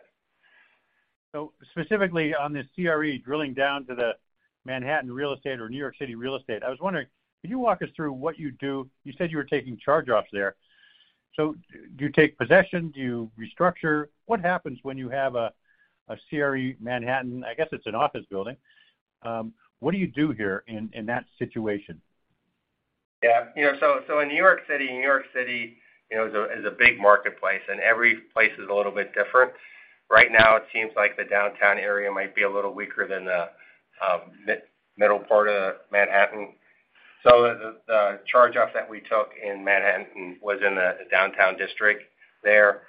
Specifically on the CRE, drilling down to the Manhattan real estate or New York City real estate, I was wondering, could you walk us through what you do? You said you were taking charge-offs there. Do you take possession? Do you restructure? What happens when you have a CRE Manhattan... I guess it's an office building. What do you do here in that situation?
Yeah. You know, so in New York City, New York City, you know, is a big marketplace, and every place is a little bit different. Right now, it seems like the downtown area might be a little weaker than the middle part of Manhattan. The charge-off that we took in Manhattan was in the downtown district there.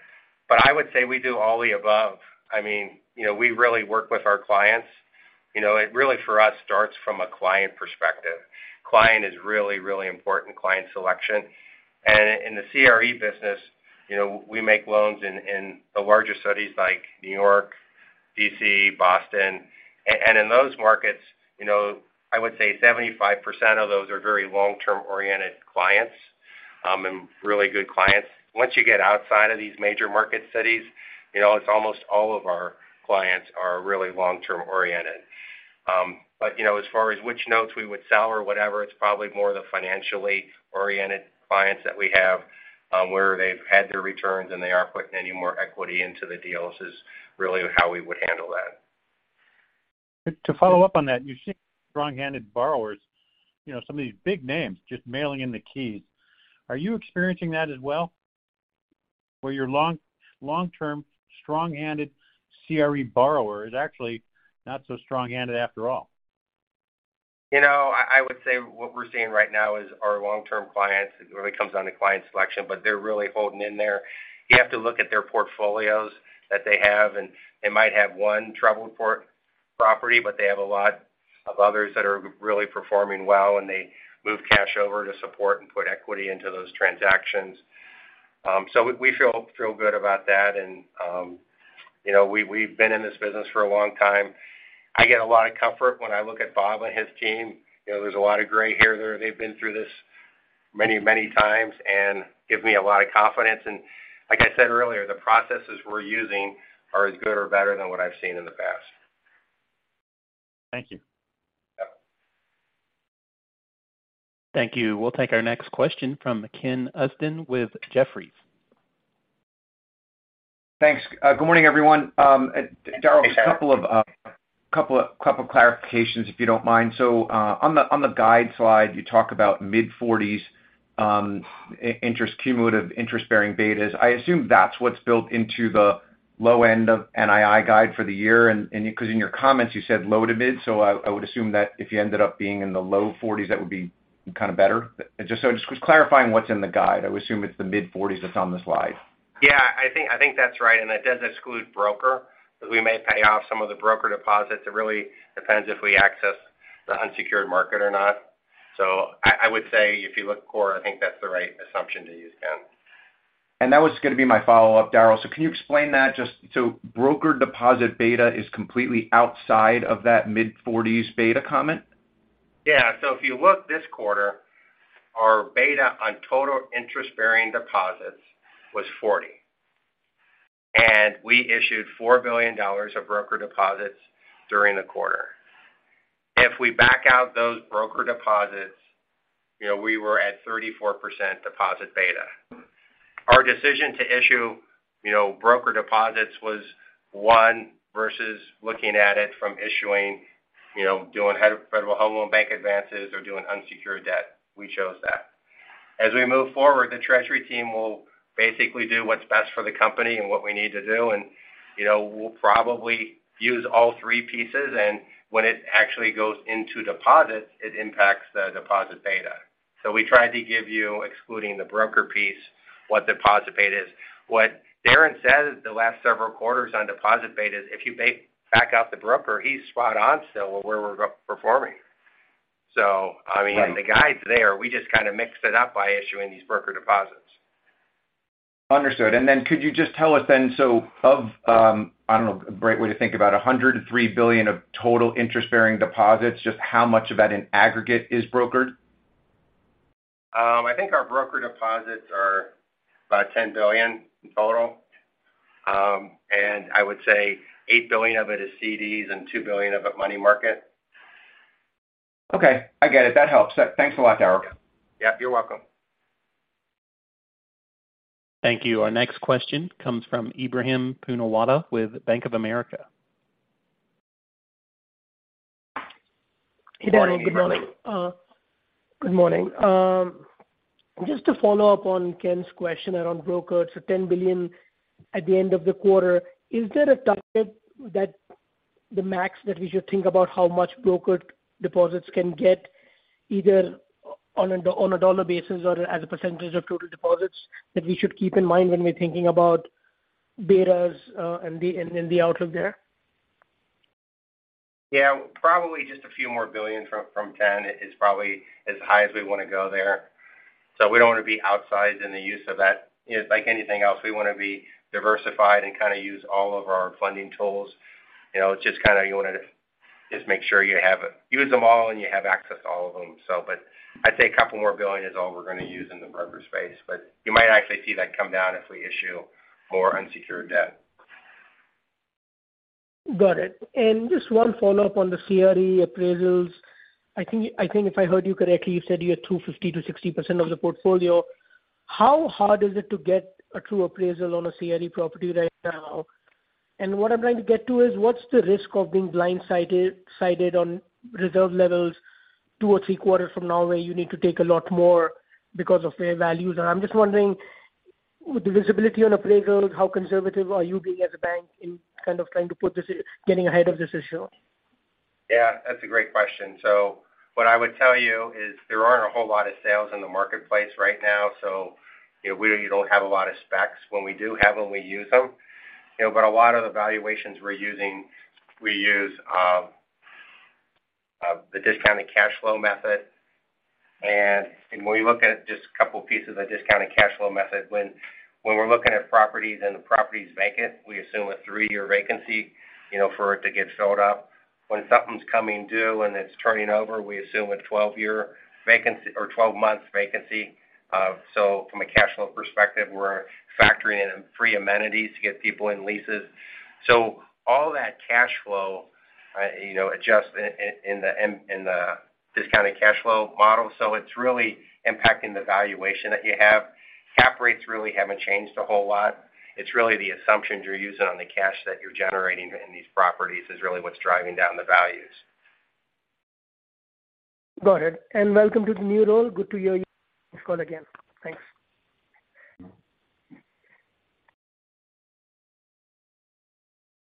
I would say we do all the above. I mean, you know, we really work with our clients. You know, it really, for us, starts from a client perspective. Client is really, really important, client selection. In the CRE business, you know, we make loans in the larger cities like New York, D.C., Boston. In those markets, you know, I would say 75% of those are very long-term oriented clients, and really good clients. Once you get outside of these major market cities, you know, it's almost all of our clients are really long-term oriented. You know, as far as which notes we would sell or whatever, it's probably more the financially oriented clients that we have, where they've had their returns and they aren't putting any more equity into the deals, is really how we would handle that.
To follow up on that, you've seen strong-handed borrowers, you know, some of these big names, just mailing in the keys. Are you experiencing that as well? Where your long-term, strong-handed CRE borrower is actually not so strong-handed after all.
You know, I would say what we're seeing right now is our long-term clients, it really comes down to client selection, but they're really holding in there. You have to look at their portfolios that they have, and they might have one troubled property, but they have a lot of others that are really performing well, and they move cash over to support and put equity into those transactions. We feel good about that. You know, we've been in this business for a long time. I get a lot of comfort when I look at Bob and his team. You know, there's a lot of gray hair there. They've been through this many, many times and give me a lot of confidence. Like I said earlier, the processes we're using are as good or better than what I've seen in the past.
Thank you.
Yeah.
Thank you. We'll take our next question from Ken Usdin with Jefferies.
Thanks. good morning, everyone. Daryl-
Hey, Ken.
A couple of clarifications, if you don't mind. On the guide slide, you talk about mid-40s cumulative interest-bearing betas. I assume that's what's built into the low end of NII guide for the year. Because in your comments, you said low to mid, I would assume that if you ended up being in the low 40s, that would be kind of better. Just clarifying what's in the guide. I would assume it's the mid-40s that's on the slide.
Yeah, I think that's right, and that does exclude broker. We may pay off some of the broker deposits. It really depends if we access the unsecured market or not. I would say, if you look core, I think that's the right assumption to use, Ken.
That was going to be my follow-up, Daryl. Can you explain that? Broker deposit beta is completely outside of that mid-40s beta comment?
If you look this quarter, our beta on total interest-bearing deposits was 40%, and we issued $4 billion of broker deposits during the quarter. If we back out those broker deposits, you know, we were at 34% deposit beta. Our decision to issue, you know, broker deposits was one, versus looking at it from issuing, you know, doing Federal Home Loan Bank advances or doing unsecured debt. We chose that. As we move forward, the treasury team will basically do what's best for the company and what we need to do, and, you know, we'll probably use all three pieces, and when it actually goes into deposits, it impacts the deposit beta. We tried to give you, excluding the broker piece, what deposit beta is. What Darren said the last several quarters on deposit betas, if you back out the broker, he's spot on, so where we're performing. I mean, the guide's there. We just kind of mixed it up by issuing these broker deposits.
Understood. Could you just tell us then, so of, I don't know, a great way to think about $103 billion of total interest-bearing deposits, just how much of that in aggregate is brokered?
I think our broker deposits are about $10 billion in total. I would say $8 billion of it is CDs and $2 billion of it money market.
Okay, I get it. That helps. Thanks a lot, Daryl.
Yep, you're welcome.
Thank you. Our next question comes from Ebrahim Poonawala with Bank of America.
Hey, Daryl. Good morning. Good morning. Just to follow up on Ken Usdin's question around brokers, so $10 billion at the end of the quarter, is there a target that the max that we should think about how much brokered deposits can get, either on a dollar basis or as a percentage of total deposits, that we should keep in mind when we're thinking about betas and the outlook there?
Yeah, probably just a few more billion from 10 is probably as high as we want to go there. We don't want to be outsized in the use of that. You know, like anything else, we want to be diversified and kind of use all of our funding tools. You know, just kind of you want to just make sure you use them all and you have access to all of them. I'd say a couple more billion is all we're going to use in the broker space, but you might actually see that come down if we issue more unsecured debt.
Got it. Just one follow-up on the CRE appraisals. I think if I heard you correctly, you said you're at 250%-260% of the portfolio. How hard is it to get a true appraisal on a CRE property right now? What I'm trying to get to is, what's the risk of being blindsided on reserve levels two or three quarters from now, where you need to take a lot more because of fair values? I'm just wondering, with the visibility on appraisals, how conservative are you being as a bank in kind of trying to put this, getting ahead of this issue?
Yeah, that's a great question. What I would tell you is there aren't a whole lot of sales in the marketplace right now, so you know, we don't have a lot of specs. When we do have them, we use them. You know, a lot of the valuations we're using, we use the discounted cash flow method. When we look at just a couple pieces of discounted cash flow method, when we're looking at properties and the property is vacant, we assume a three-year vacancy, you know, for it to get filled up. When something's coming due and it's turning over, we assume a 12-year vacancy or 12-months vacancy. From a cash flow perspective, we're factoring in free amenities to get people in leases. All that cash flow, you know, adjust in the discounted cash flow model. It's really impacting the valuation that you have. Cap rates really haven't changed a whole lot. It's really the assumptions you're using on the cash that you're generating in these properties is really what's driving down the values.
Got it. Welcome to the new role. Good to hear you on this call again. Thanks.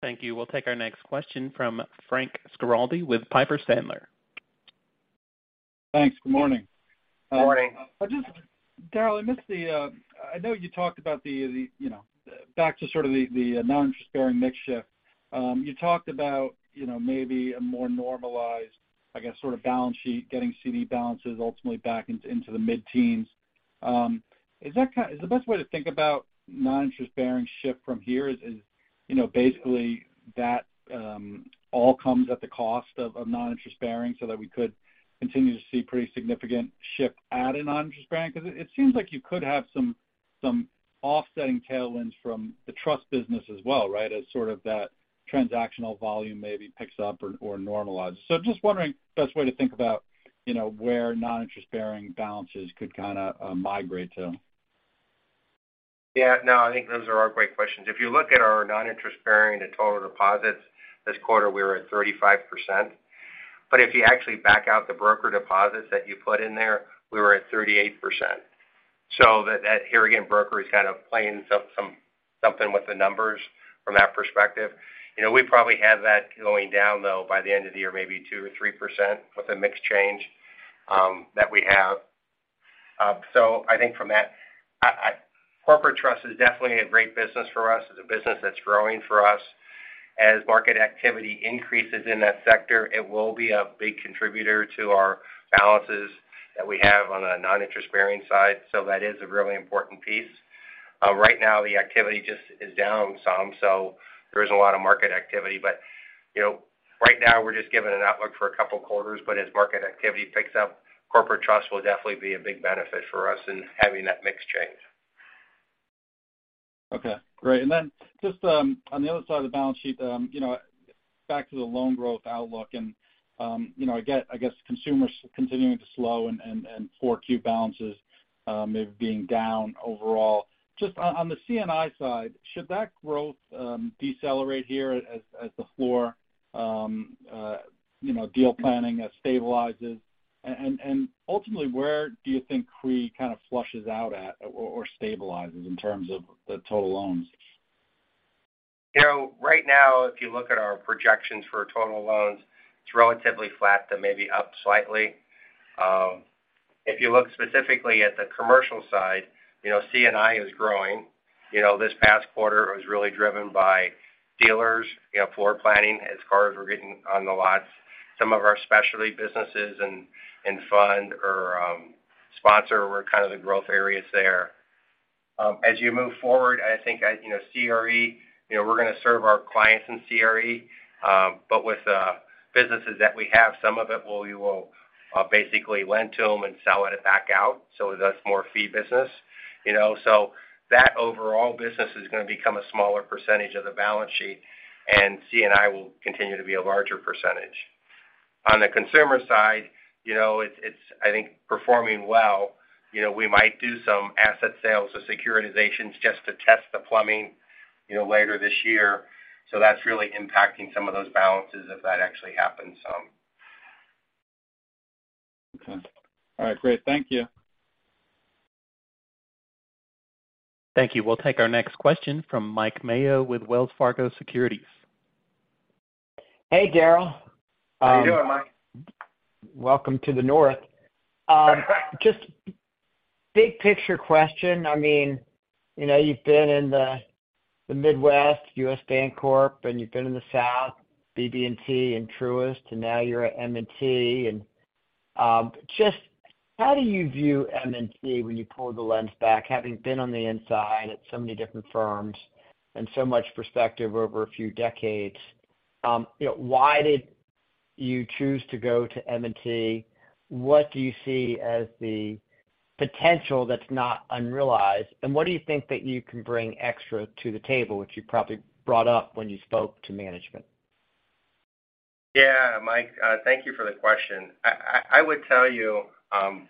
Thank you. We'll take our next question from Frank Schiraldi with Piper Sandler.
Thanks. Good morning.
Good morning.
Daryl, I missed the, I know you talked about the, you know, back to sort of the non-interest-bearing mix shift. You talked about, you know, maybe a more normalized, I guess, sort of balance sheet, getting CD balances ultimately back into the mid-teens. Is the best way to think about non-interest-bearing shift from here is, you know, basically that, all comes at the cost of non-interest-bearing so that we could continue to see pretty significant shift at a non-interest-bearing? Because it seems like you could have some offsetting tailwinds from the trust business as well, right, as sort of that transactional volume maybe picks up or normalizes? Just wondering, best way to think about, you know, where non-interest-bearing balances could kind of migrate to.
I think those are all great questions. If you look at our non-interest-bearing and total deposits this quarter, we're at 35%. If you actually back out the broker deposits that you put in there, we were at 38%. That, here again, broker is kind of playing something with the numbers from that perspective. You know, we probably have that going down, though, by the end of the year, maybe 2% or 3% with a mix change that we have. I think from that, I corporate trust is definitely a great business for us. It's a business that's growing for us. As market activity increases in that sector, it will be a big contributor to our balances that we have on the non-interest-bearing side. That is a really important piece. Right now, the activity just is down some, so there isn't a lot of market activity. You know, right now, we're just giving an outlook for a couple of quarters, but as market activity picks up, corporate trust will definitely be a big benefit for us in having that mix change.
Okay, great. Just on the other side of the balance sheet, you know, back to the loan growth outlook and, you know, again, I guess consumers continuing to slow and 4Q balances maybe being down overall. Just on the C&I side, should that growth decelerate here as the floor, you know, deal planning stabilizes? Ultimately, where do you think CRE kind of flushes out at or stabilizes in terms of the total loans?
You know, right now, if you look at our projections for total loans, it's relatively flat to maybe up slightly. If you look specifically at the commercial side, you know, C&I is growing. You know, this past quarter was really driven by dealers, you know, floor planning, as cars were getting on the lots. Some of our specialty businesses and fund or sponsor were kind of the growth areas there. As you move forward, I think, as you know, CRE, you know, we're going to serve our clients in CRE, but with the businesses that we have, some of it we will basically lend to them and sell it back out, so that's more fee business. You know, that overall business is going to become a smaller percentage of the balance sheet, and C&I will continue to be a larger percentage. On the consumer side, you know, it's, I think, performing well. You know, we might do some asset sales or securitizations just to test the plumbing, you know, later this year. That's really impacting some of those balances if that actually happens.
Okay. All right, great. Thank you.
Thank you. We'll take our next question from Mike Mayo with Wells Fargo Securities.
Hey, Daryl.
How you doing, Mike?
Welcome to the North. Just big picture question. I mean, you know, you've been in the Midwest, U.S. Bancorp, and you've been in the South, BB&T and Truist, and now you're at M&T. Just how do you view M&T when you pull the lens back, having been on the inside at so many different firms and so much perspective over a few decades? You know, why did you choose to go to M&T? What do you see as the potential that's not unrealized, and what do you think that you can bring extra to the table, which you probably brought up when you spoke to management?
Yeah, Mike, thank you for the question. I would tell you,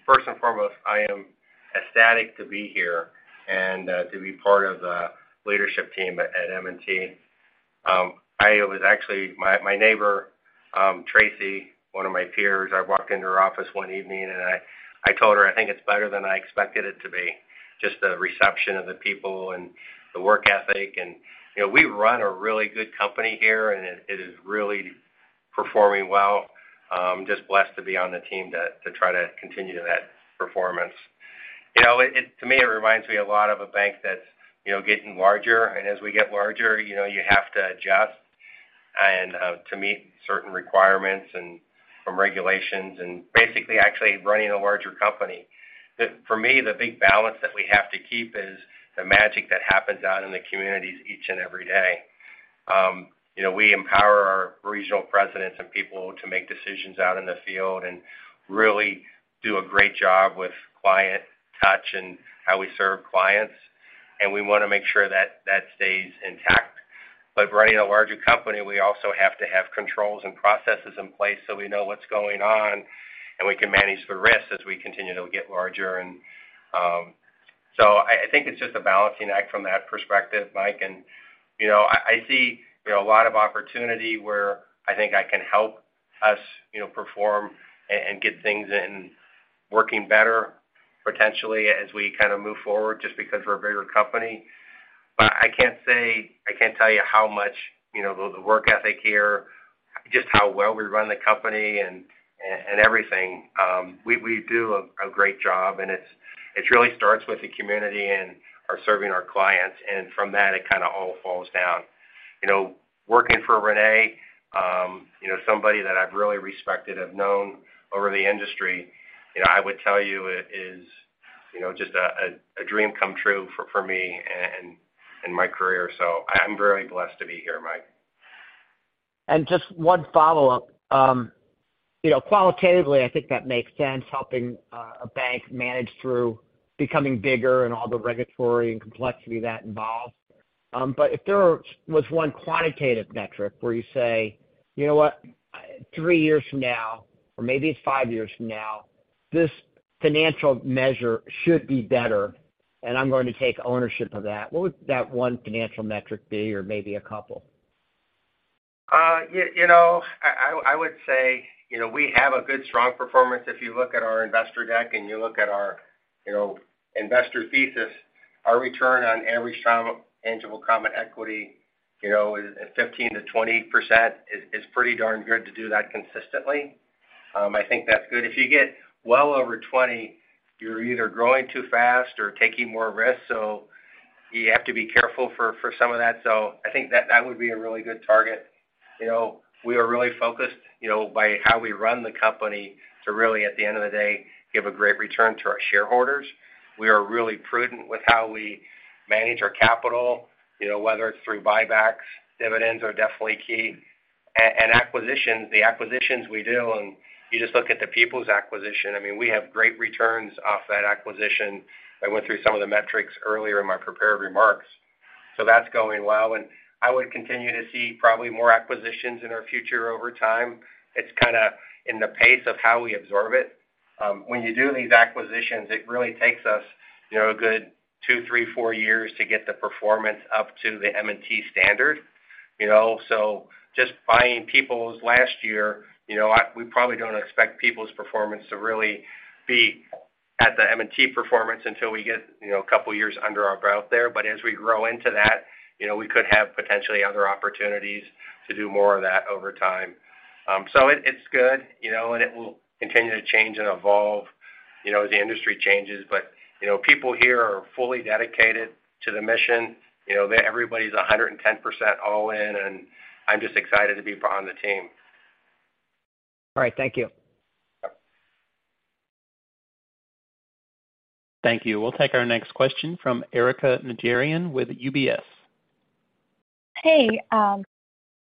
first and foremost, I am ecstatic to be here and to be part of the leadership team at M&T. I was actually my neighbor, Tracy, one of my peers, I walked into her office one evening, and I told her, I think it's better than I expected it to be. Just the reception of the people and the work ethic, you know, we run a really good company here, and it is really performing well. Just blessed to be on the team to try to continue that performance. You know, it to me, it reminds me a lot of a bank that's, you know, getting larger, and as we get larger, you know, you have to adjust and to meet certain requirements and from regulations and basically actually running a larger company. For me, the big balance that we have to keep is the magic that happens out in the communities each and every day. You know, we empower our regional presidents and people to make decisions out in the field and really do a great job with client touch and how we serve clients, and we want to make sure that that stays intact. Running a larger company, we also have to have controls and processes in place, so we know what's going on, and we can manage the risk as we continue to get larger. I think it's just a balancing act from that perspective, Mike. You know, I see, you know, a lot of opportunity where I think I can help us, you know, perform and get things in working better, potentially, as we kind of move forward just because we're a bigger company. I can't tell you how much, you know, the work ethic here, just how well we run the company and everything. We do a great job, and it really starts with the community and our serving our clients, and from that, it kind of all falls down. You know, working for René, you know, somebody that I've really respected and known over the industry, you know, I would tell you it is, you know, just a dream come true for me and my career. I'm very blessed to be here, Mike.
Just one follow-up. You know, qualitatively, I think that makes sense, helping a bank manage through becoming bigger and all the regulatory and complexity that involves. If there was one quantitative metric where you say, you know what? Three years from now, or maybe it's five years from now, this financial measure should be better, and I'm going to take ownership of that, what would that one financial metric be, or maybe a couple?
You know, I would say, you know, we have a good, strong performance. If you look at our investor deck and you look at our, you know, investor thesis, our return on average time tangible common equity, you know, is 15%-20%, is pretty darn good to do that consistently. I think that's good. If you get well over 20, you're either growing too fast or taking more risks, so you have to be careful for some of that. I think that would be a really good target. You know, we are really focused, you know, by how we run the company to really, at the end of the day, give a great return to our shareholders. We are really prudent with how we manage our capital, you know, whether it's through buybacks, dividends are definitely key. Acquisitions, the acquisitions we do, and you just look at the Peoples acquisition. I mean, we have great returns off that acquisition. I went through some of the metrics earlier in my prepared remarks, so that's going well. I would continue to see probably more acquisitions in our future over time. It's kind of in the pace of how we absorb it. When you do these acquisitions, it really takes us, you know, a good two, three, four years to get the performance up to the M&T standard. You know, just buying Peoples last year, you know, we probably don't expect Peoples' performance to really be at the M&T performance until we get, you know, a couple of years under our belt there. As we grow into that, you know, we could have potentially other opportunities to do more of that over time. It's good, you know, and it will continue to change and evolve, you know, as the industry changes. You know, people here are fully dedicated to the mission. You know, everybody's 110% all in, and I'm just excited to be on the team.
All right. Thank you.
Yep.
Thank you. We'll take our next question from Erika Najarian with UBS.
Hey,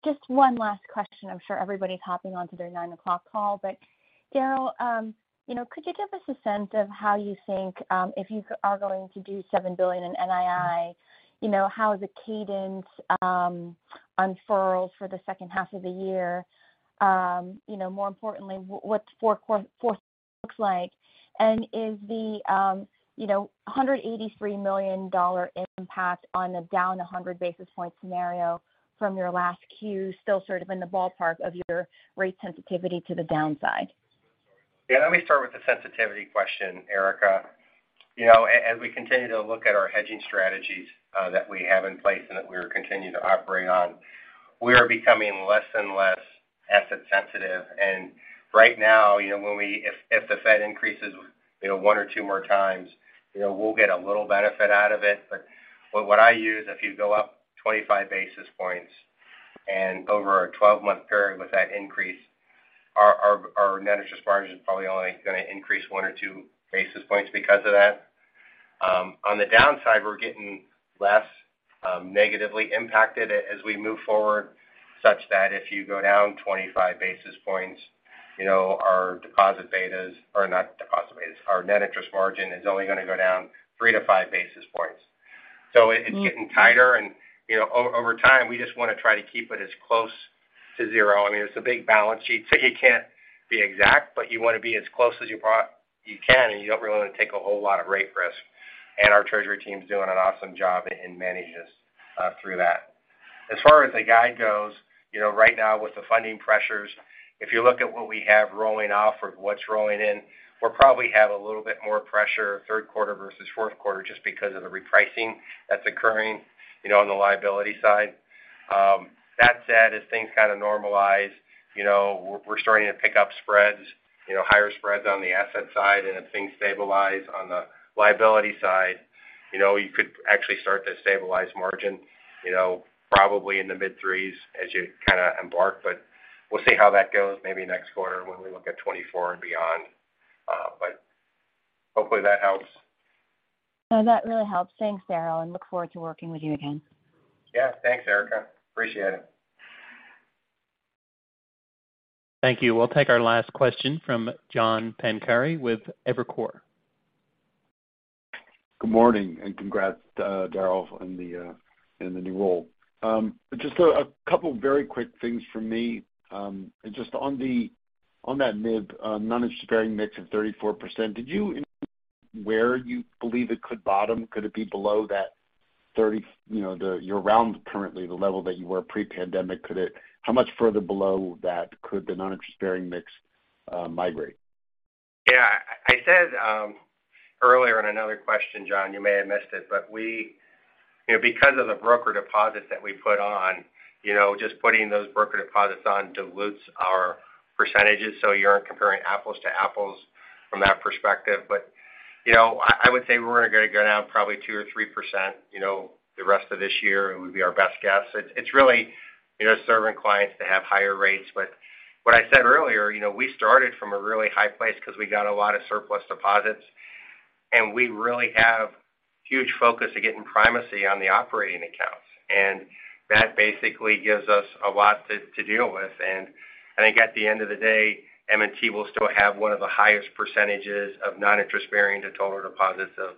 just one last question. I'm sure everybody's hopping onto their 9:00 call. But Daryl, you know, could you give us a sense of how you think, if you are going to do $7 billion in NII, you know, how the cadence unfurls for the second half of the year? You know, more importantly, what's fourth quarter looks like? Is the $183 million impact on the down a 100 basis point scenario from your last Q, still sort of in the ballpark of your rate sensitivity to the downside?
Yeah, let me start with the sensitivity question, Erika. You know, as we continue to look at our hedging strategies, that we have in place and that we continue to operate on, we are becoming less and less asset sensitive. Right now, you know, if the Fed increases, you know, one or two more times, you know, we'll get a little benefit out of it. What I use, if you go up 25 basis points and over a 12-month period with that increase, our net interest margin is probably only going to increase 1 or 2 basis points because of that. On the downside, we're getting less negatively impacted as we move forward, such that if you go down 25 basis points, you know, our deposit betas or not deposit betas, our net interest margin is only going to go down 3-5 basis points. It's getting tighter and, you know, over time, we just want to try to keep it as close to zero. I mean, it's a big balance sheet, so you can't be exact, but you want to be as close as you can, and you don't really want to take a whole lot of rate risk. Our treasury team is doing an awesome job in managing us through that. As far as the guide goes, you know, right now with the funding pressures, if you look at what we have rolling off or what's rolling in, we'll probably have a little bit more pressure third quarter versus fourth quarter just because of the repricing that's occurring, you know, on the liability side. That said, as things kind of normalize, you know, we're starting to pick up spreads, you know, higher spreads on the asset side, and if things stabilize on the liability side, you know, you could actually start to stabilize margin, you know, probably in the mid-threes as you kind of embark, but we'll see how that goes maybe next quarter when we look at 2024 and beyond. Hopefully that helps.
No, that really helps. Thanks, Daryl, and look forward to working with you again.
Yeah. Thanks, Erika. Appreciate it.
Thank you. We'll take our last question from John Pancari with Evercore.
Good morning, congrats, Daryl, on the new role. Just a couple of very quick things from me. Just on that NIB non-interest-bearing mix of 34%, did you where you believe it could bottom? Could it be below that 30, you know, the, you're around currently the level that you were pre-pandemic? How much further below that could the non-interest-bearing mix migrate?
I said earlier in another question, John, you may have missed it, we, you know, because of the broker deposits that we put on, you know, just putting those broker deposits on dilutes our percentages, so you aren't comparing apples to apples from that perspective. You know, I would say we're going to go down probably 2% or 3%, you know, the rest of this year, it would be our best guess. It's, it's really, you know, serving clients to have higher rates. What I said earlier, you know, we started from a really high place because we got a lot of surplus deposits, and we really have huge focus to getting primacy on the operating accounts, and that basically gives us a lot to deal with. I think at the end of the day, M&T will still have one of the highest percentages of non-interest bearing to total deposits of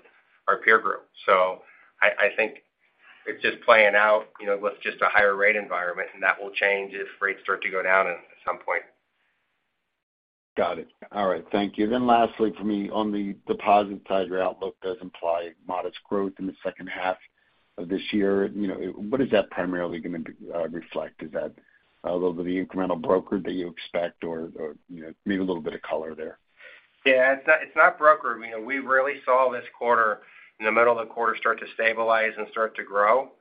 our peer group. I think it's just playing out, you know, with just a higher rate environment, and that will change if rates start to go down at some point.
Got it. All right. Thank you. Lastly, for me, on the deposit side, your outlook does imply modest growth in the second half of this year. You know, what is that primarily going to reflect? Is that although the incremental broker that you expect or, you know, maybe a little bit of color there?
Yeah, it's not, it's not broken. I mean, we really saw this quarter, in the middle of the quarter, start to stabilize and start to grow.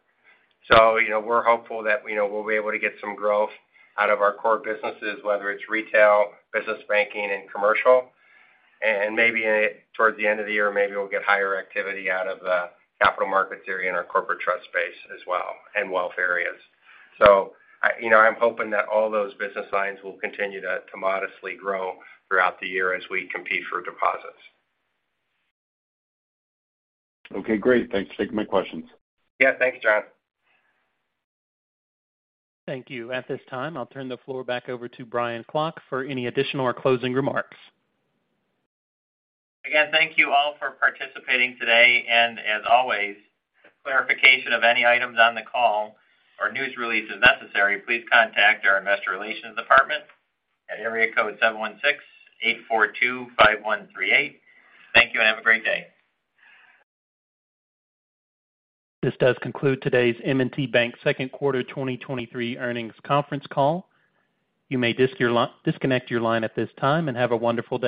you know, we're hopeful that, you know, we'll be able to get some growth out of our core businesses, whether it's retail, business banking, and commercial. maybe towards the end of the year, maybe we'll get higher activity out of the capital markets area and our corporate trust space as well, and wealth areas. you know, I'm hoping that all those business lines will continue to modestly grow throughout the year as we compete for deposits.
Okay, great. Thanks for taking my questions.
Yeah. Thanks, John.
Thank you. At this time, I'll turn the floor back over to Brian Klock for any additional or closing remarks.
Again, thank you all for participating today, and as always, clarification of any items on the call or news release if necessary, please contact our investor relations department at area code 716-842-5138. Thank you, and have a great day.
This does conclude today's M&T Bank second quarter 2023 earnings conference call. You may disconnect your line at this time and have a wonderful day.